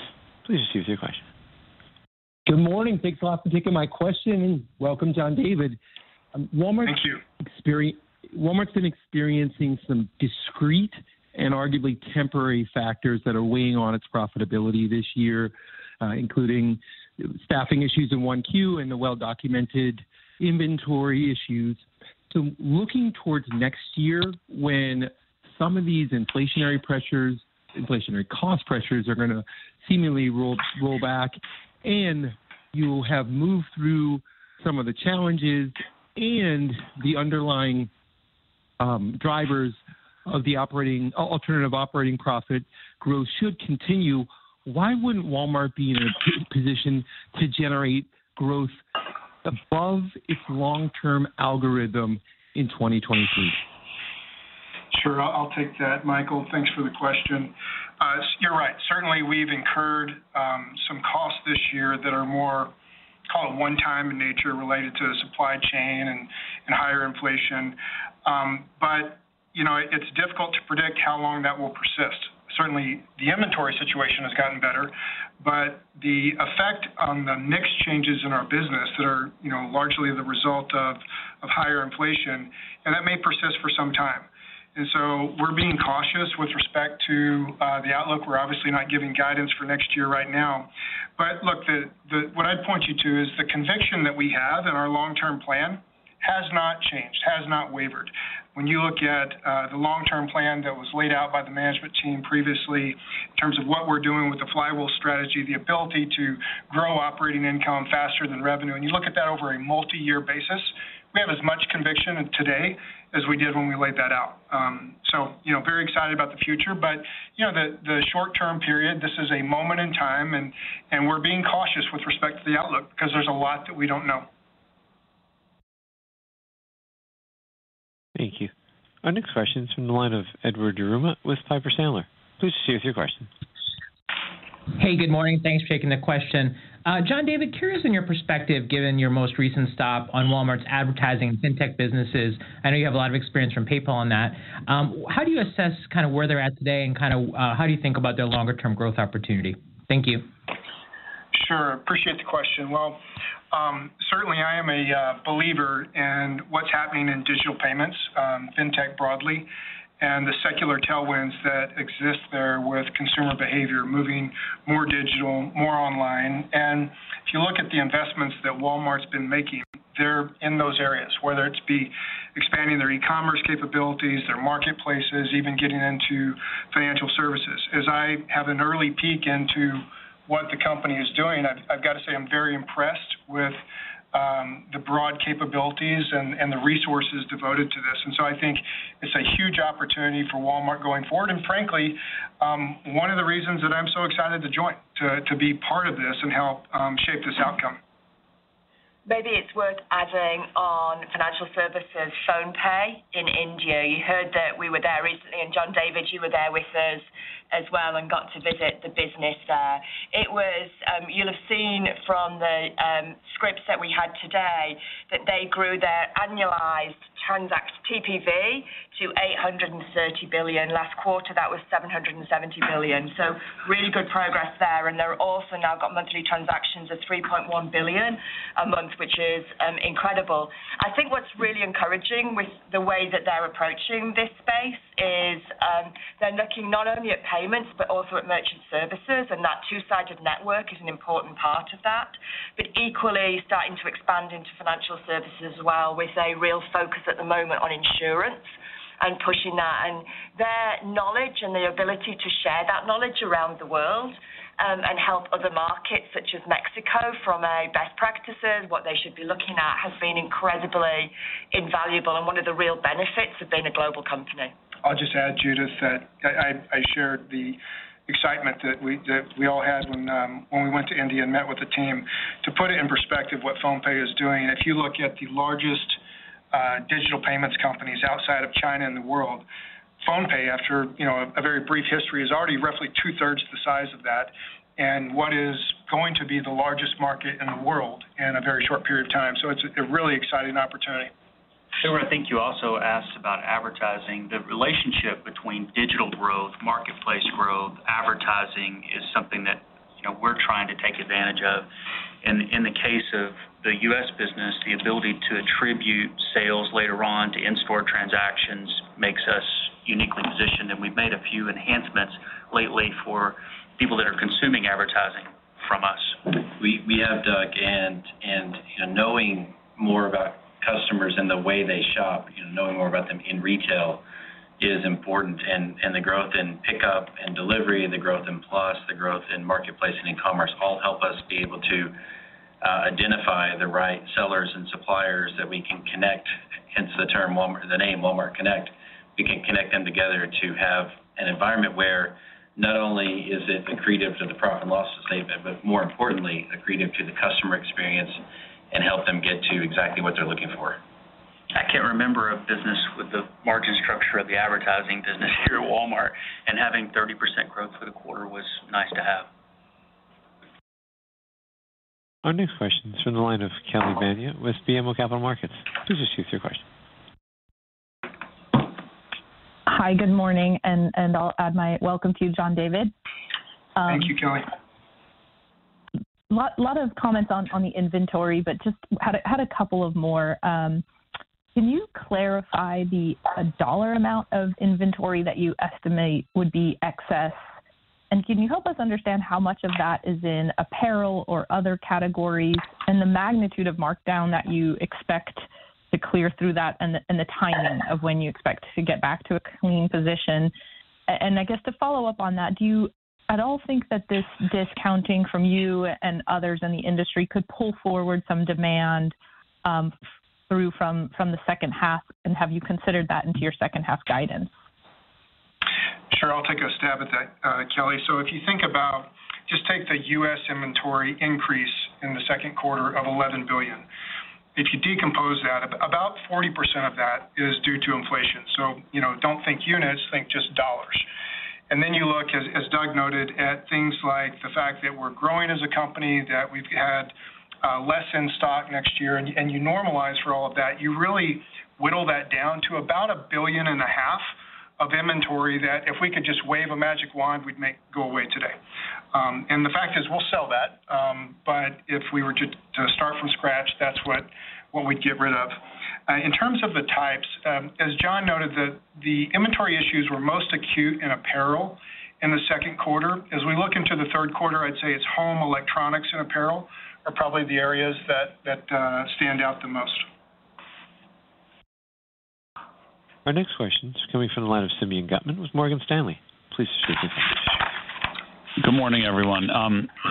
Please proceed with your question. Good morning. Thanks a lot for taking my question, and welcome, John David. Thank you. Walmart's been experiencing some discrete and arguably temporary factors that are weighing on its profitability this year, including staffing issues in Q1 and the well-documented inventory issues. Looking towards next year when some of these inflationary pressures, inflationary cost pressures are gonna seemingly roll back and you have moved through some of the challenges and the underlying drivers of the alternative operating profit growth should continue, why wouldn't Walmart be in a good position to generate growth above its long-term algorithm in 2023? Sure. I'll take that, Michael. Thanks for the question. You're right. Certainly, we've incurred some costs this year that are more, call it one time in nature related to the supply chain and higher inflation. But, you know, it's difficult to predict how long that will persist. Certainly, the inventory situation has gotten better, but the effect on the mix changes in our business that are, you know, largely the result of higher inflation, and that may persist for some time. We're being cautious with respect to the outlook. We're obviously not giving guidance for next year right now. But look, what I'd point you to is the conviction that we have in our long-term plan has not changed, has not wavered. When you look at the long-term plan that was laid out by the management team previously in terms of what we're doing with the Flywheel strategy, the ability to grow operating income faster than revenue, and you look at that over a multi-year basis, we have as much conviction today as we did when we laid that out. You know, very excited about the future. You know, the short-term period, this is a moment in time, and we're being cautious with respect to the outlook because there's a lot that we don't know. Thank you. Our next question is from the line of Edward Yruma with Piper Sandler. Please proceed with your question. Hey, good morning. Thanks for taking the question. John David, curious from your perspective, given your most recent stop on Walmart's advertising and fintech businesses, I know you have a lot of experience from PayPal on that. How do you assess kind of where they're at today and kind of, how do you think about their longer term growth opportunity? Thank you. Sure. I appreciate the question. Well, certainly I am a believer in what's happening in digital payments, fintech broadly, and the secular tailwinds that exist there with consumer behavior moving more digital, more online. If you look at the investments that Walmart's been making, they're in those areas, whether it be expanding their e-commerce capabilities, their marketplaces, even getting into financial services. As I have an early peek into what the company is doing, I've got to say I'm very impressed with the broad capabilities and the resources devoted to this. I think it's a huge opportunity for Walmart going forward. Frankly, one of the reasons that I'm so excited to be part of this and help shape this outcome. Maybe it's worth adding on financial services, PhonePe in India. You heard that we were there recently, and John David Rainey, you were there with us as well and got to visit the business there. It was, you'll have seen from the, scripts that we had today that they grew their annualized TPV to $830 billion. Last quarter, that was $770 billion. Really good progress there. They're also now got monthly transactions of 3.1 billion a month, which is, incredible. I think what's really encouraging with the way that they're approaching this space is, they're looking not only at payments, but also at merchant services, and that two-sided network is an important part of that. Equally starting to expand into financial services as well, with a real focus at the moment on insurance and pushing that. Their knowledge and the ability to share that knowledge around the world, and help other markets such as Mexico from a best practices, what they should be looking at, has been incredibly invaluable and one of the real benefits of being a global company. I'll just add, Judith, that I shared the excitement that we all had when we went to India and met with the team. To put it in perspective what PhonePe is doing, if you look at the largest digital payments companies outside of China in the world, PhonePe, after you know, a very brief history, is already roughly two-thirds the size of that in what is going to be the largest market in the world in a very short period of time. It's a really exciting opportunity. Sure. I think you also asked about advertising. The relationship between digital growth, marketplace growth, advertising is something that, you know, we're trying to take advantage of. In the case of the U.S. business, the ability to attribute sales later on to in-store transactions makes us uniquely positioned. We've made a few enhancements lately for people that are consuming advertising from us. We have, Doug, and you know, knowing more about customers and the way they shop, you know, knowing more about them in retail is important. The growth in pickup and delivery, the growth in Plus, the growth in marketplace and in commerce all help us be able to identify the right sellers and suppliers that we can connect, hence the term Walmart, the name Walmart Connect. We can connect them together to have an environment where not only is it accretive to the profit and loss statement, but more importantly, accretive to the customer experience and help them get to exactly what they're looking for. I can't remember a business with the margin structure of the advertising business here at Walmart, and having 30% growth for the quarter was nice to have. Our next question is from the line of Kelly Bania with BMO Capital Markets. Please proceed with your question. Hi, good morning, and I'll add my welcome to you, John David. Thank you, Kelly. Lots of comments on the inventory, but just had a couple more. Can you clarify the dollar amount of inventory that you estimate would be excess? Can you help us understand how much of that is in apparel or other categories and the magnitude of markdown that you expect to clear through that and the timing of when you expect to get back to a clean position? I guess to follow up on that, do you at all think that this discounting from you and others in the industry could pull forward some demand from the second half, and have you considered that into your second half guidance? Sure. I'll take a stab at that, Kelly. If you think about just take the U.S. inventory increase in the second quarter of $11 billion. If you decompose that, about 40% of that is due to inflation. You know, don't think units, think just dollars. You look, as Doug noted, at things like the fact that we're growing as a company, that we've had less in stock next year, and you normalize for all of that, you really whittle that down to about $1.5 billion of inventory that if we could just wave a magic wand, we'd make go away today. The fact is we'll sell that. If we were to start from scratch, that's what we'd get rid of. In terms of the types, as John noted, the inventory issues were most acute in apparel in the second quarter. As we look into the third quarter, I'd say it's home, electronics, and apparel are probably the areas that stand out the most. Our next question is coming from the line of Simeon Gutman with Morgan Stanley. Please proceed with your question. Good morning, everyone.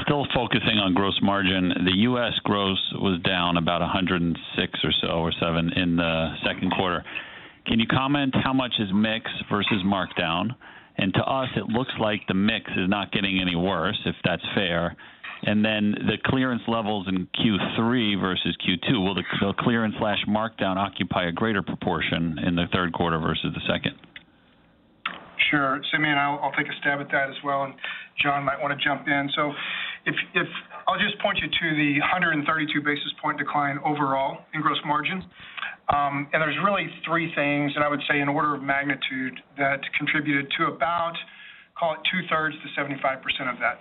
Still focusing on gross margin. The U.S. gross was down about 106 or so or 7 in the second quarter. Can you comment how much is mix versus markdown? To us, it looks like the mix is not getting any worse, if that's fair. The clearance levels in Q3 versus Q2, will the clearance/markdown occupy a greater proportion in the third quarter versus the second? Sure. Simeon, I'll take a stab at that as well, and John might wanna jump in. I'll just point you to the 132 basis point decline overall in gross margin. There's really three things that I would say in order of magnitude that contributed to about, call it two-thirds to 75% of that.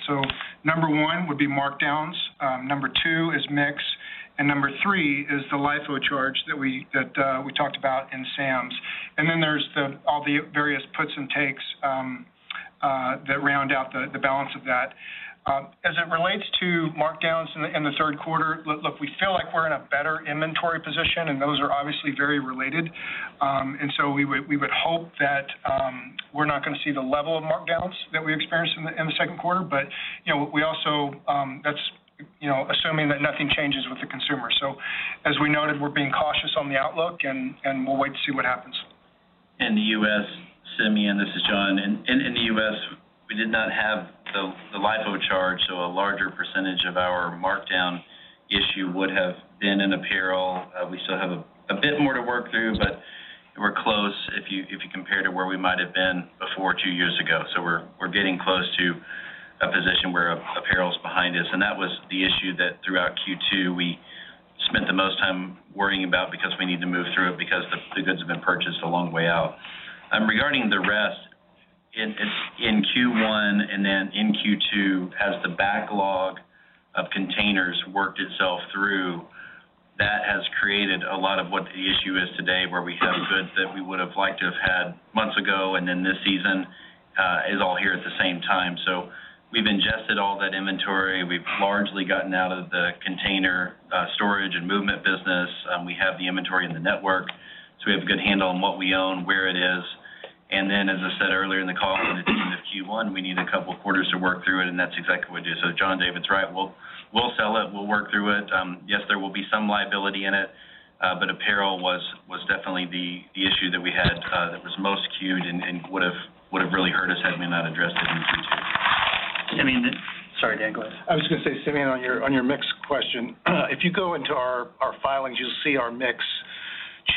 Number one would be markdowns. Number two is mix, and number three is the LIFO charge that we talked about in Sam's. There's all the various puts and takes that round out the balance of that. As it relates to markdowns in the third quarter, look, we feel like we're in a better inventory position, and those are obviously very related. We would hope that we're not gonna see the level of markdowns that we experienced in the second quarter. You know, that's assuming that nothing changes with the consumer. As we noted, we're being cautious on the outlook and we'll wait to see what happens. In the U.S., Simeon, this is John. In the U.S., we did not have the LIFO charge, so a larger percentage of our markdown issue would have been in apparel. We still have a bit more to work through, but we're close if you compare to where we might have been before two years ago. We're getting close to a position where apparel's behind us. That was the issue that throughout Q2 we spent the most time worrying about because we need to move through it because the goods have been purchased a long way out. Regarding the rest, in Q1 and then in Q2, as the backlog of containers worked itself through, that has created a lot of what the issue is today, where we have goods that we would have liked to have had months ago, and then this season is all here at the same time. We've ingested all that inventory. We've largely gotten out of the container storage and movement business. We have the inventory in the network, so we have a good handle on what we own, where it is. Then, as I said earlier in the call, at the end of Q1, we need a couple of quarters to work through it, and that's exactly what we did. John David Rainey's right. We'll sell it. We'll work through it. Yes, there will be some liability in it, but apparel was definitely the issue that we had, that was most acute and would've really hurt us had we not addressed it in Q2. Simeon. Sorry, Dan, go ahead. I was gonna say, Simeon, on your mix question, if you go into our filings, you'll see our mix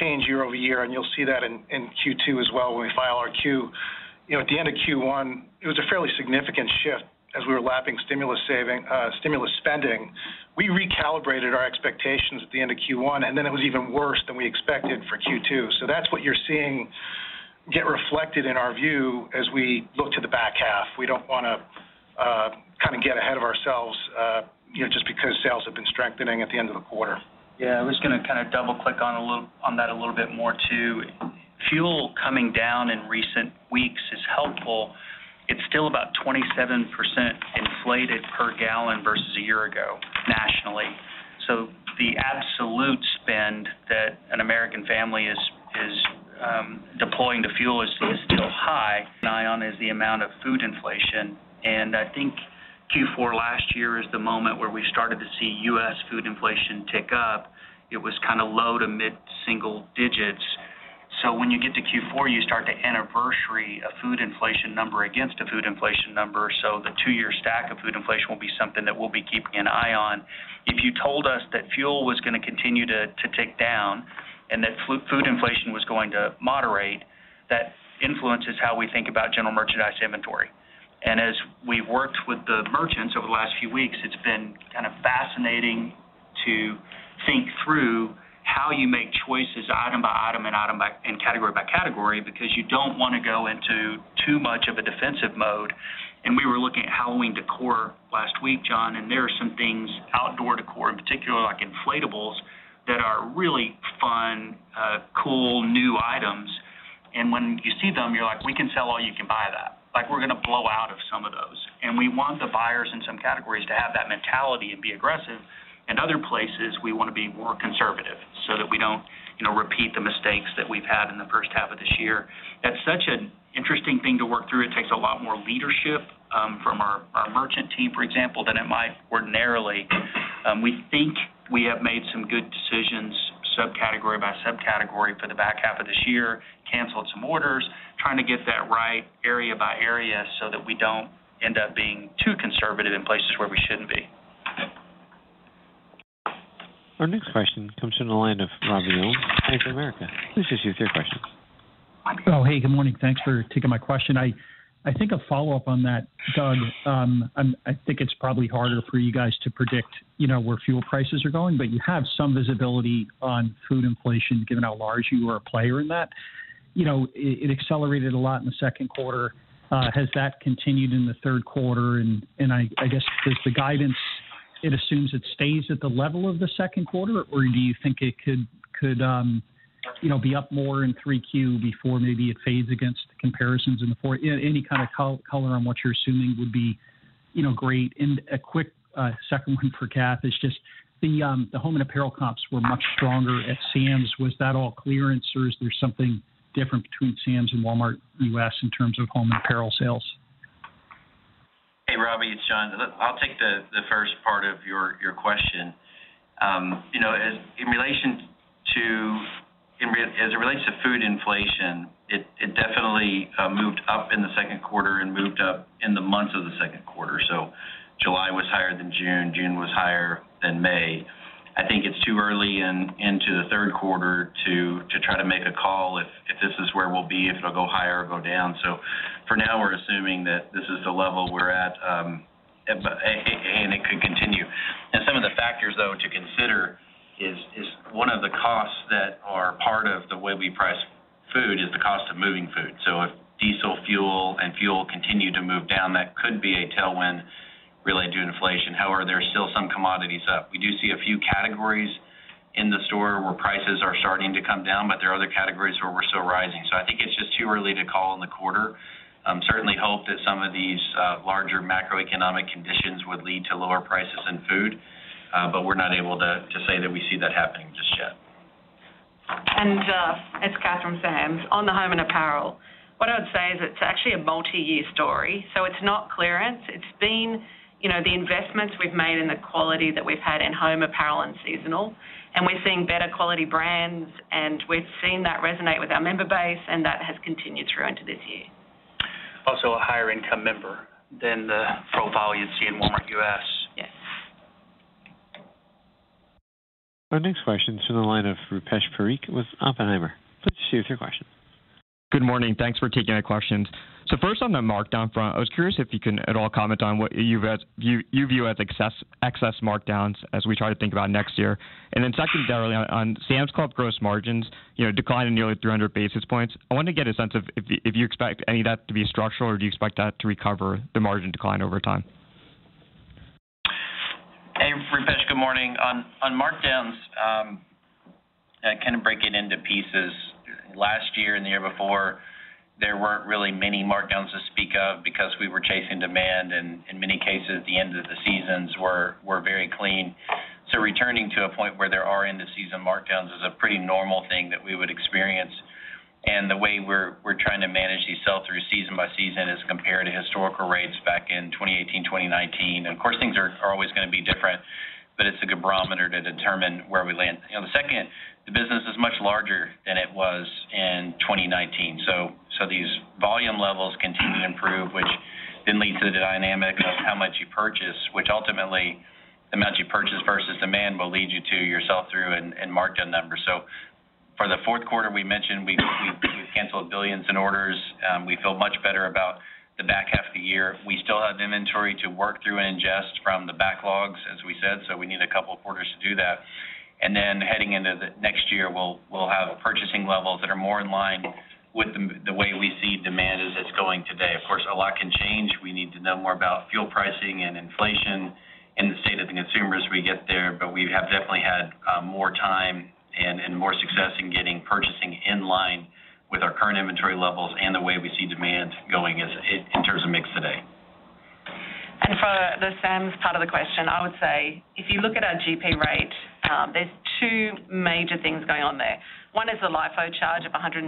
change year-over-year, and you'll see that in Q2 as well when we file our Q. You know, at the end of Q1, it was a fairly significant shift as we were lapping stimulus spending. We recalibrated our expectations at the end of Q1, and then it was even worse than we expected for Q2. That's what you're seeing get reflected in our view as we look to the back half. We don't wanna kinda get ahead of ourselves, you know, just because sales have been strengthening at the end of the quarter. Yeah. I was gonna kinda double-click on that a little bit more, too. Fuel coming down in recent weeks is helpful. It's still about 27% inflated per gallon versus a year ago nationally. The absolute spend that an American family is deploying to fuel is still high. Keeping an eye on the amount of food inflation, and I think Q4 last year is the moment where we started to see U.S. food inflation tick up. It was kinda low- to mid-single-digit %. When you get to Q4, you start to anniversary a food inflation number against a food inflation number. The two-year stack of food inflation will be something that we'll be keeping an eye on. If you told us that fuel was gonna continue to tick down and that food inflation was going to moderate, that influences how we think about general merchandise inventory. As we've worked with the merchants over the last few weeks, it's been kind of fascinating to think through how you make choices item by item and category by category because you don't wanna go into too much of a defensive mode. We were looking at Halloween decor last week, John, and there are some things, outdoor decor in particular, like inflatables, that are really fun, cool new items. When you see them, you're like, "We can sell all you can buy that." Like, we're gonna blow out of some of those. We want the buyers in some categories to have that mentality and be aggressive. In other places, we wanna be more conservative so that we don't, you know, repeat the mistakes that we've had in the first half of this year. That's such an interesting thing to work through. It takes a lot more leadership from our merchant team, for example, than it might ordinarily. We think we have made some good decisions subcategory by subcategory for the back half of this year, canceled some orders, trying to get that right area by area so that we don't end up being too conservative in places where we shouldn't be. Our next question comes from the line of Robert Ohmes, Bank of America. Please proceed with your question. Oh, hey, good morning. Thanks for taking my question. I think a follow-up on that, Doug. I think it's probably harder for you guys to predict, you know, where fuel prices are going, but you have some visibility on food inflation given how large you are a player in that. You know, it accelerated a lot in the second quarter. Has that continued in the third quarter? I guess, does the guidance assume it stays at the level of the second quarter, or do you think it could, you know, be up more in 3Q before maybe it fades against comparisons in 4Q? Any kind of color on what you're assuming would be, you know, great. A quick second one for Kath is just the home and apparel comps were much stronger at Sam's. Was that all clearance, or is there something different between Sam's and Walmart U.S. in terms of home apparel sales? Hey, Robbie, it's John. Look, I'll take the first part of your question. You know, as it relates to food inflation, it definitely moved up in the second quarter and moved up in the months of the second quarter. July was higher than June was higher than May. I think it's too early into the third quarter to try to make a call if this is where we'll be, if it'll go higher or go down. For now, we're assuming that this is the level we're at, but and it could continue. Some of the factors, though, to consider is one of the costs that are part of the way we price food is the cost of moving food. If diesel fuel and fuel continue to move down, that could be a tailwind related to inflation. However, there are still some commodities up. We do see a few categories in the store where prices are starting to come down, but there are other categories where we're still rising. I think it's just too early to call on the quarter. Certainly hope that some of these larger macroeconomic conditions would lead to lower prices in food, but we're not able to say that we see that happening just yet. It's Kath McLay, Sam's Club. On the home and apparel, what I would say is it's actually a multi-year story, so it's not clearance. It's been, you know, the investments we've made and the quality that we've had in home apparel and seasonal, and we're seeing better quality brands, and we've seen that resonate with our member base, and that has continued through into this year. Also a higher income member than the profile you'd see in Walmart U.S. Yes. Our next question is from the line of Rupesh Parikh with Oppenheimer. Please proceed with your question. Good morning. Thanks for taking my questions. First on the markdown front, I was curious if you can at all comment on what you view as excess markdowns as we try to think about next year. Secondarily, on Sam's Club gross margins, you know, declining nearly 300 basis points. I wanted to get a sense of if you expect any of that to be structural or do you expect that to recover the margin decline over time? Hey, Rupesh, good morning. On markdowns, I kind of break it into pieces. Last year and the year before, there weren't really many markdowns to speak of because we were chasing demand, and in many cases, the ends of the seasons were very clean. Returning to a point where there are end-of-season markdowns is a pretty normal thing that we would experience. The way we're trying to manage these sell-through season by season as compared to historical rates back in 2018, 2019. Of course, things are always gonna be different, but it's a good barometer to determine where we land. You know, the business is much larger than it was in 2019. These volume levels continue to improve, which then leads to the dynamic of how much you purchase, which ultimately the amount you purchase versus demand will lead you to your sell-through and markdown numbers. For the fourth quarter, we mentioned we've canceled billions in orders. We feel much better about the back half of the year. We still have inventory to work through and ingest from the backlogs, as we said, so we need a couple of quarters to do that. Then heading into the next year, we'll have purchasing levels that are more in line with the way we see demand as it's going today. Of course, a lot can change. We need to know more about fuel pricing and inflation and the state of the consumer as we get there, but we have definitely had more time and more success in getting purchasing in line with our current inventory levels and the way we see demand going in terms of mix today. For the Sam's part of the question, I would say if you look at our GP rate, there's two major things going on there. One is the LIFO charge of $123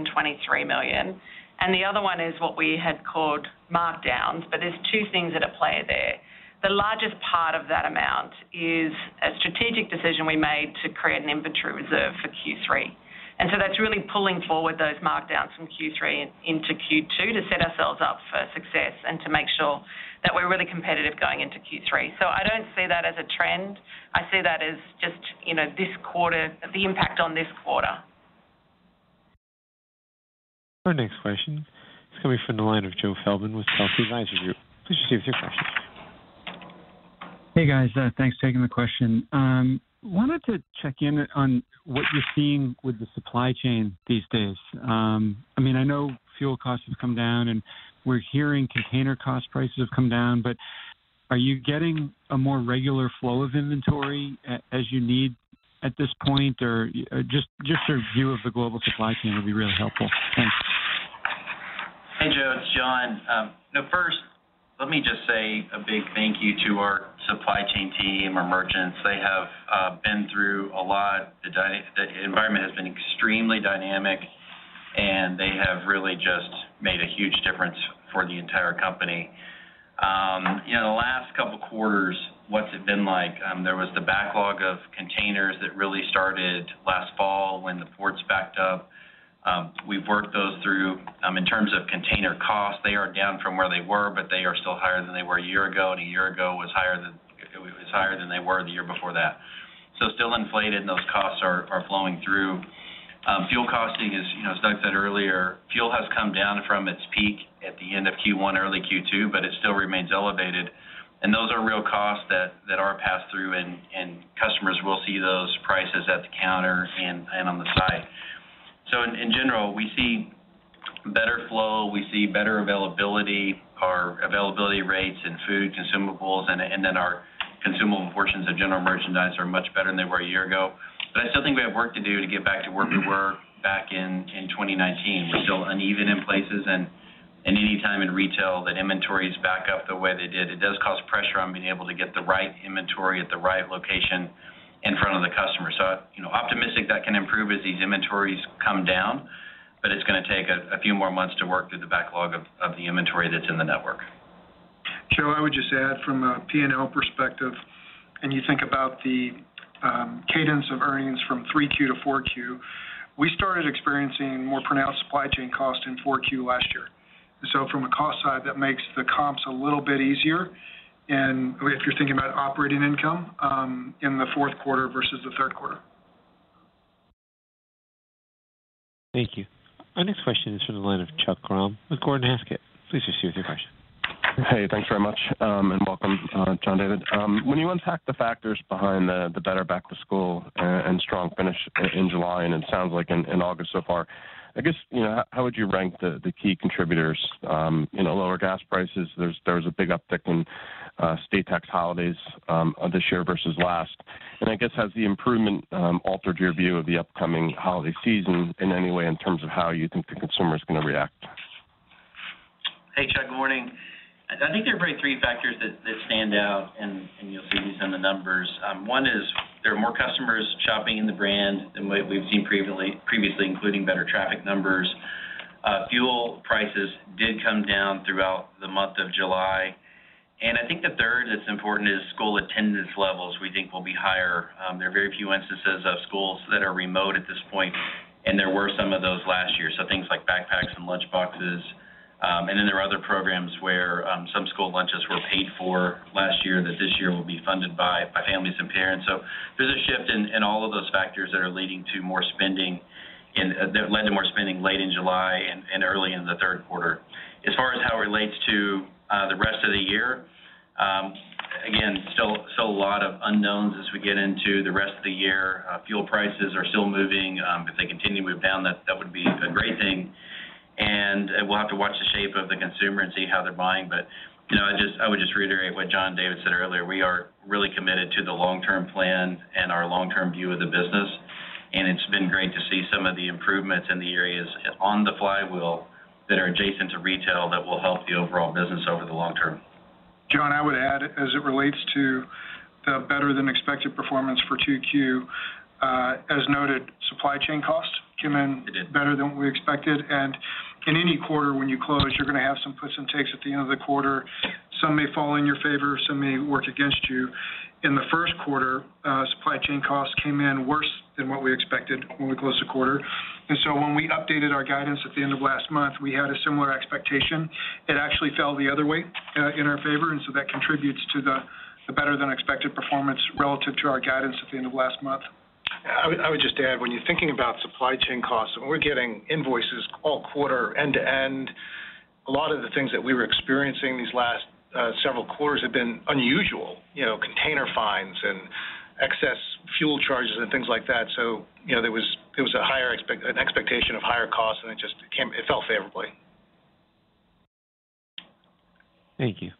million, and the other one is what we had called markdowns, but there's two things that are played there. The largest part of that amount is a strategic decision we made to create an inventory reserve for Q3. That's really pulling forward those markdowns from Q3 into Q2 to set ourselves up for success and to make sure that we're really competitive going into Q3. I don't see that as a trend. I see that as just, you know, this quarter, the impact on this quarter. Our next question is coming from the line of Joe Feldman with Telsey Advisory Group. Please proceed with your question. Hey, guys. Thanks for taking the question. Wanted to check in on what you're seeing with the supply chain these days. I mean, I know fuel costs have come down, and we're hearing container cost prices have come down, but are you getting a more regular flow of inventory as you need at this point? Or just your view of the global supply chain would be really helpful. Thanks. Hey, Joe, it's John. First, let me just say a big thank you to our supply chain team, our merchants. They have been through a lot. The environment has been extremely dynamic, and they have really just made a huge difference for the entire company. You know, the last couple quarters, what's it been like? There was the backlog of containers that really started last fall when the ports backed up. We've worked those through. In terms of container costs, they are down from where they were, but they are still higher than they were a year ago, and a year ago was higher than they were the year before that. Still inflated, and those costs are flowing through. Fuel costing is, you know, as Doug said earlier, fuel has come down from its peak at the end of Q1, early Q2, but it still remains elevated. Those are real costs that are passed through and customers will see those prices at the counter and on the site. In general, we see better flow, we see better availability. Our availability rates in food, consumables, and then our consumable portions of general merchandise are much better than they were a year ago. I still think we have work to do to get back to where we were back in 2019. We're still uneven in places, and any time in retail that inventories back up the way they did, it does cause pressure on being able to get the right inventory at the right location in front of the customer. You know, optimistic that can improve as these inventories come down. It's gonna take a few more months to work through the backlog of the inventory that's in the network. Joe, I would just add from a P&L perspective, and you think about the cadence of earnings from 3Q to 4Q. We started experiencing more pronounced supply chain costs in 4Q last year. From a cost side, that makes the comps a little bit easier and if you're thinking about operating income in the fourth quarter versus the third quarter. Thank you. Our next question is from the line of Chuck Grom with Gordon Haskett. Please proceed with your question. Hey, thanks very much, and welcome, John David. When you unpack the factors behind the better back-to-school and strong finish in July, and it sounds like in August so far, I guess, you know, how would you rank the key contributors, you know, lower gas prices. There was a big uptick in state tax holidays this year versus last. I guess, has the improvement altered your view of the upcoming holiday season in any way in terms of how you think the consumer is gonna react? Hey, Chuck. Good morning. I think there are probably three factors that stand out, and you'll see these in the numbers. One is there are more customers shopping in the brand than what we've seen previously, including better traffic numbers. Fuel prices did come down throughout the month of July. I think the third that's important is school attendance levels, we think will be higher. There are very few instances of schools that are remote at this point, and there were some of those last year, so things like backpacks and lunchboxes. Then there are other programs where some school lunches were paid for last year that this year will be funded by families and parents. There's a shift in all of those factors that led to more spending late in July and early in the third quarter. As far as how it relates to the rest of the year, again, still a lot of unknowns as we get into the rest of the year. Fuel prices are still moving. If they continue to move down, that would be a great thing. We'll have to watch the shape of the consumer and see how they're buying. You know, I would just reiterate what John David said earlier. We are really committed to the long-term plan and our long-term view of the business, and it's been great to see some of the improvements in the areas on the Flywheel that are adjacent to retail that will help the overall business over the long term. John, I would add, as it relates to the better than expected performance for 2Q, as noted, supply chain costs came in better than we expected. In any quarter, when you close, you're gonna have some puts and takes at the end of the quarter. Some may fall in your favor, some may work against you. In the first quarter, supply chain costs came in worse than what we expected when we closed the quarter. When we updated our guidance at the end of last month, we had a similar expectation. It actually fell the other way, in our favor, and so that contributes to the better than expected performance relative to our guidance at the end of last month. I would just add, when you're thinking about supply chain costs, and we're getting invoices all quarter end to end, a lot of the things that we were experiencing these last several quarters have been unusual, you know, container fines and excess fuel charges and things like that. You know, there was an expectation of higher costs, and it just fell favorably. Thank you.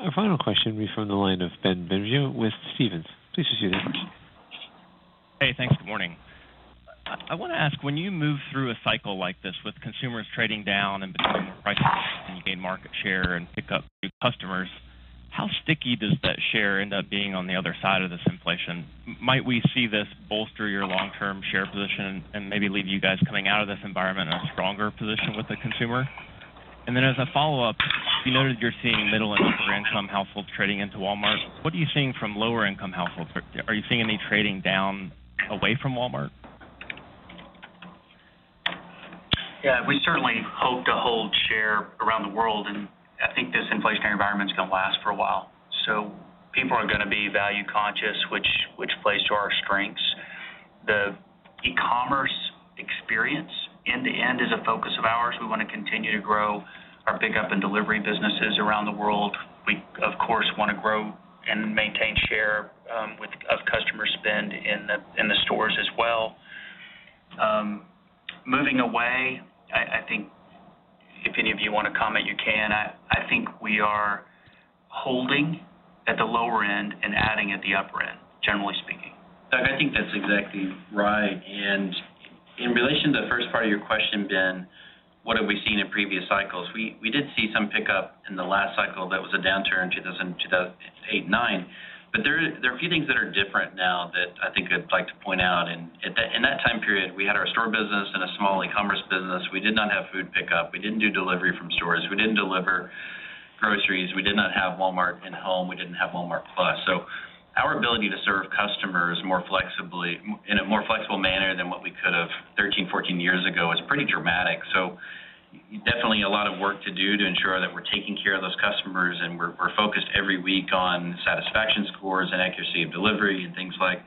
Our final question will be from the line of Ben Bienvenu with Stephens. Please proceed. Hey, thanks. Good morning. I wanna ask, when you move through a cycle like this with consumers trading down and between prices, and you gain market share and pick up new customers, how sticky does that share end up being on the other side of this inflation? Might we see this bolster your long-term share position and maybe leave you guys coming out of this environment in a stronger position with the consumer? Then as a follow-up, you noted you're seeing middle and upper-income households trading into Walmart. What are you seeing from lower-income households? Are you seeing any trading down away from Walmart? Yeah. We certainly hope to hold share around the world, and I think this inflationary environment is gonna last for a while. People are gonna be value conscious, which plays to our strengths. The eCommerce experience in the end is a focus of ours. We wanna continue to grow our pickup and delivery businesses around the world. We, of course, wanna grow and maintain share of customer spend in the stores as well. Moving away, I think if any of you wanna comment, you can. I think we are holding at the lower end and adding at the upper end, generally speaking. Doug, I think that's exactly right. In relation to the first part of your question, Ben, what have we seen in previous cycles? We did see some pickup in the last cycle. That was a downturn in 2008-2009. There are a few things that are different now that I think I'd like to point out. In that time period, we had our store business and a small eCommerce business. We did not have food pickup. We didn't do delivery from stores. We didn't deliver groceries. We did not have Walmart InHome. We didn't have Walmart+. So our ability to serve customers more flexibly in a more flexible manner than what we could have 13, 14 years ago is pretty dramatic. Definitely a lot of work to do to ensure that we're taking care of those customers, and we're focused every week on satisfaction scores and accuracy of delivery and things like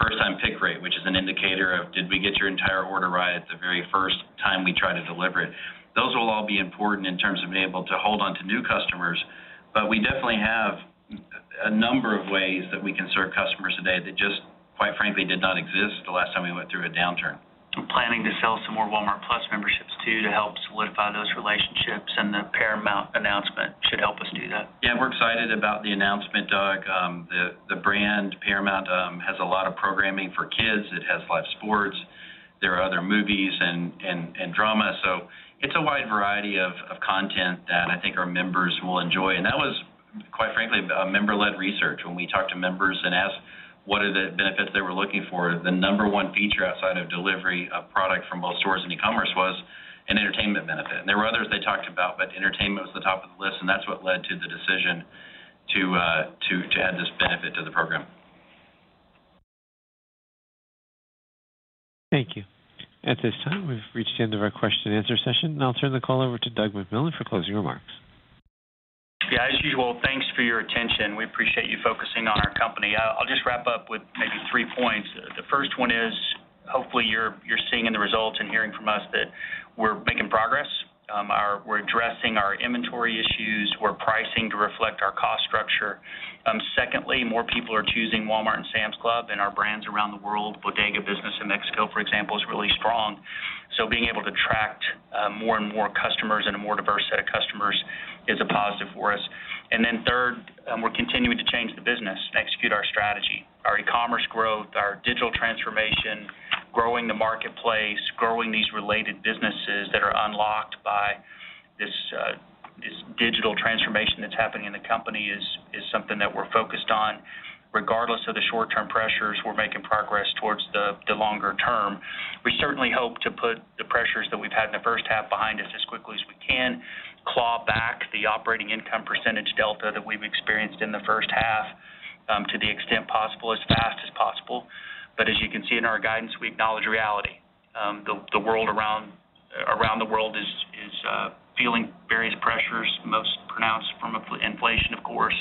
first-time pick rate, which is an indicator of did we get your entire order right at the very first time we try to deliver it. Those will all be important in terms of being able to hold onto new customers. We definitely have a number of ways that we can serve customers today that just, quite frankly, did not exist the last time we went through a downturn. We're planning to sell some more Walmart+ memberships, too, to help solidify those relationships, and the Paramount announcement should help us do that. Yeah, we're excited about the announcement, Doug. The brand Paramount has a lot of programming for kids. It has live sports. There are other movies and drama. It's a wide variety of content that I think our members will enjoy. That was Quite frankly, member-led research. When we talked to members and asked what are the benefits they were looking for, the number one feature outside of delivery of product from both stores and e-commerce was an entertainment benefit. There were others they talked about, but entertainment was the top of the list, and that's what led to the decision to add this benefit to the program. Thank you. At this time, we've reached the end of our question-and-answer session. I'll turn the call over to Doug McMillon for closing remarks. Yeah, as usual, thanks for your attention. We appreciate you focusing on our company. I'll just wrap up with maybe three points. The first one is, hopefully you're seeing in the results and hearing from us that we're making progress. We're addressing our inventory issues. We're pricing to reflect our cost structure. Secondly, more people are choosing Walmart and Sam's Club and our brands around the world. Bodega Aurrerá in Mexico, for example, is really strong. Being able to attract more and more customers and a more diverse set of customers is a positive for us. Third, we're continuing to change the business and execute our strategy. Our e-commerce growth, our digital transformation, growing the marketplace, growing these related businesses that are unlocked by this digital transformation that's happening in the company is something that we're focused on. Regardless of the short-term pressures, we're making progress towards the longer term. We certainly hope to put the pressures that we've had in the first half behind us as quickly as we can, claw back the operating income percentage delta that we've experienced in the first half, to the extent possible, as fast as possible. As you can see in our guidance, we acknowledge reality. The world around the world is feeling various pressures, most pronounced from inflation, of course.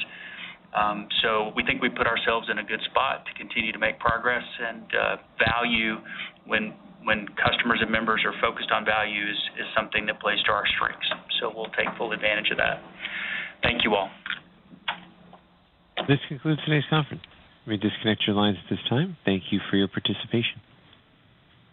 We think we put ourselves in a good spot to continue to make progress and value when customers and members are focused on values is something that plays to our strengths. We'll take full advantage of that. Thank you all. This concludes today's conference. You may disconnect your lines at this time. Thank you for your participation.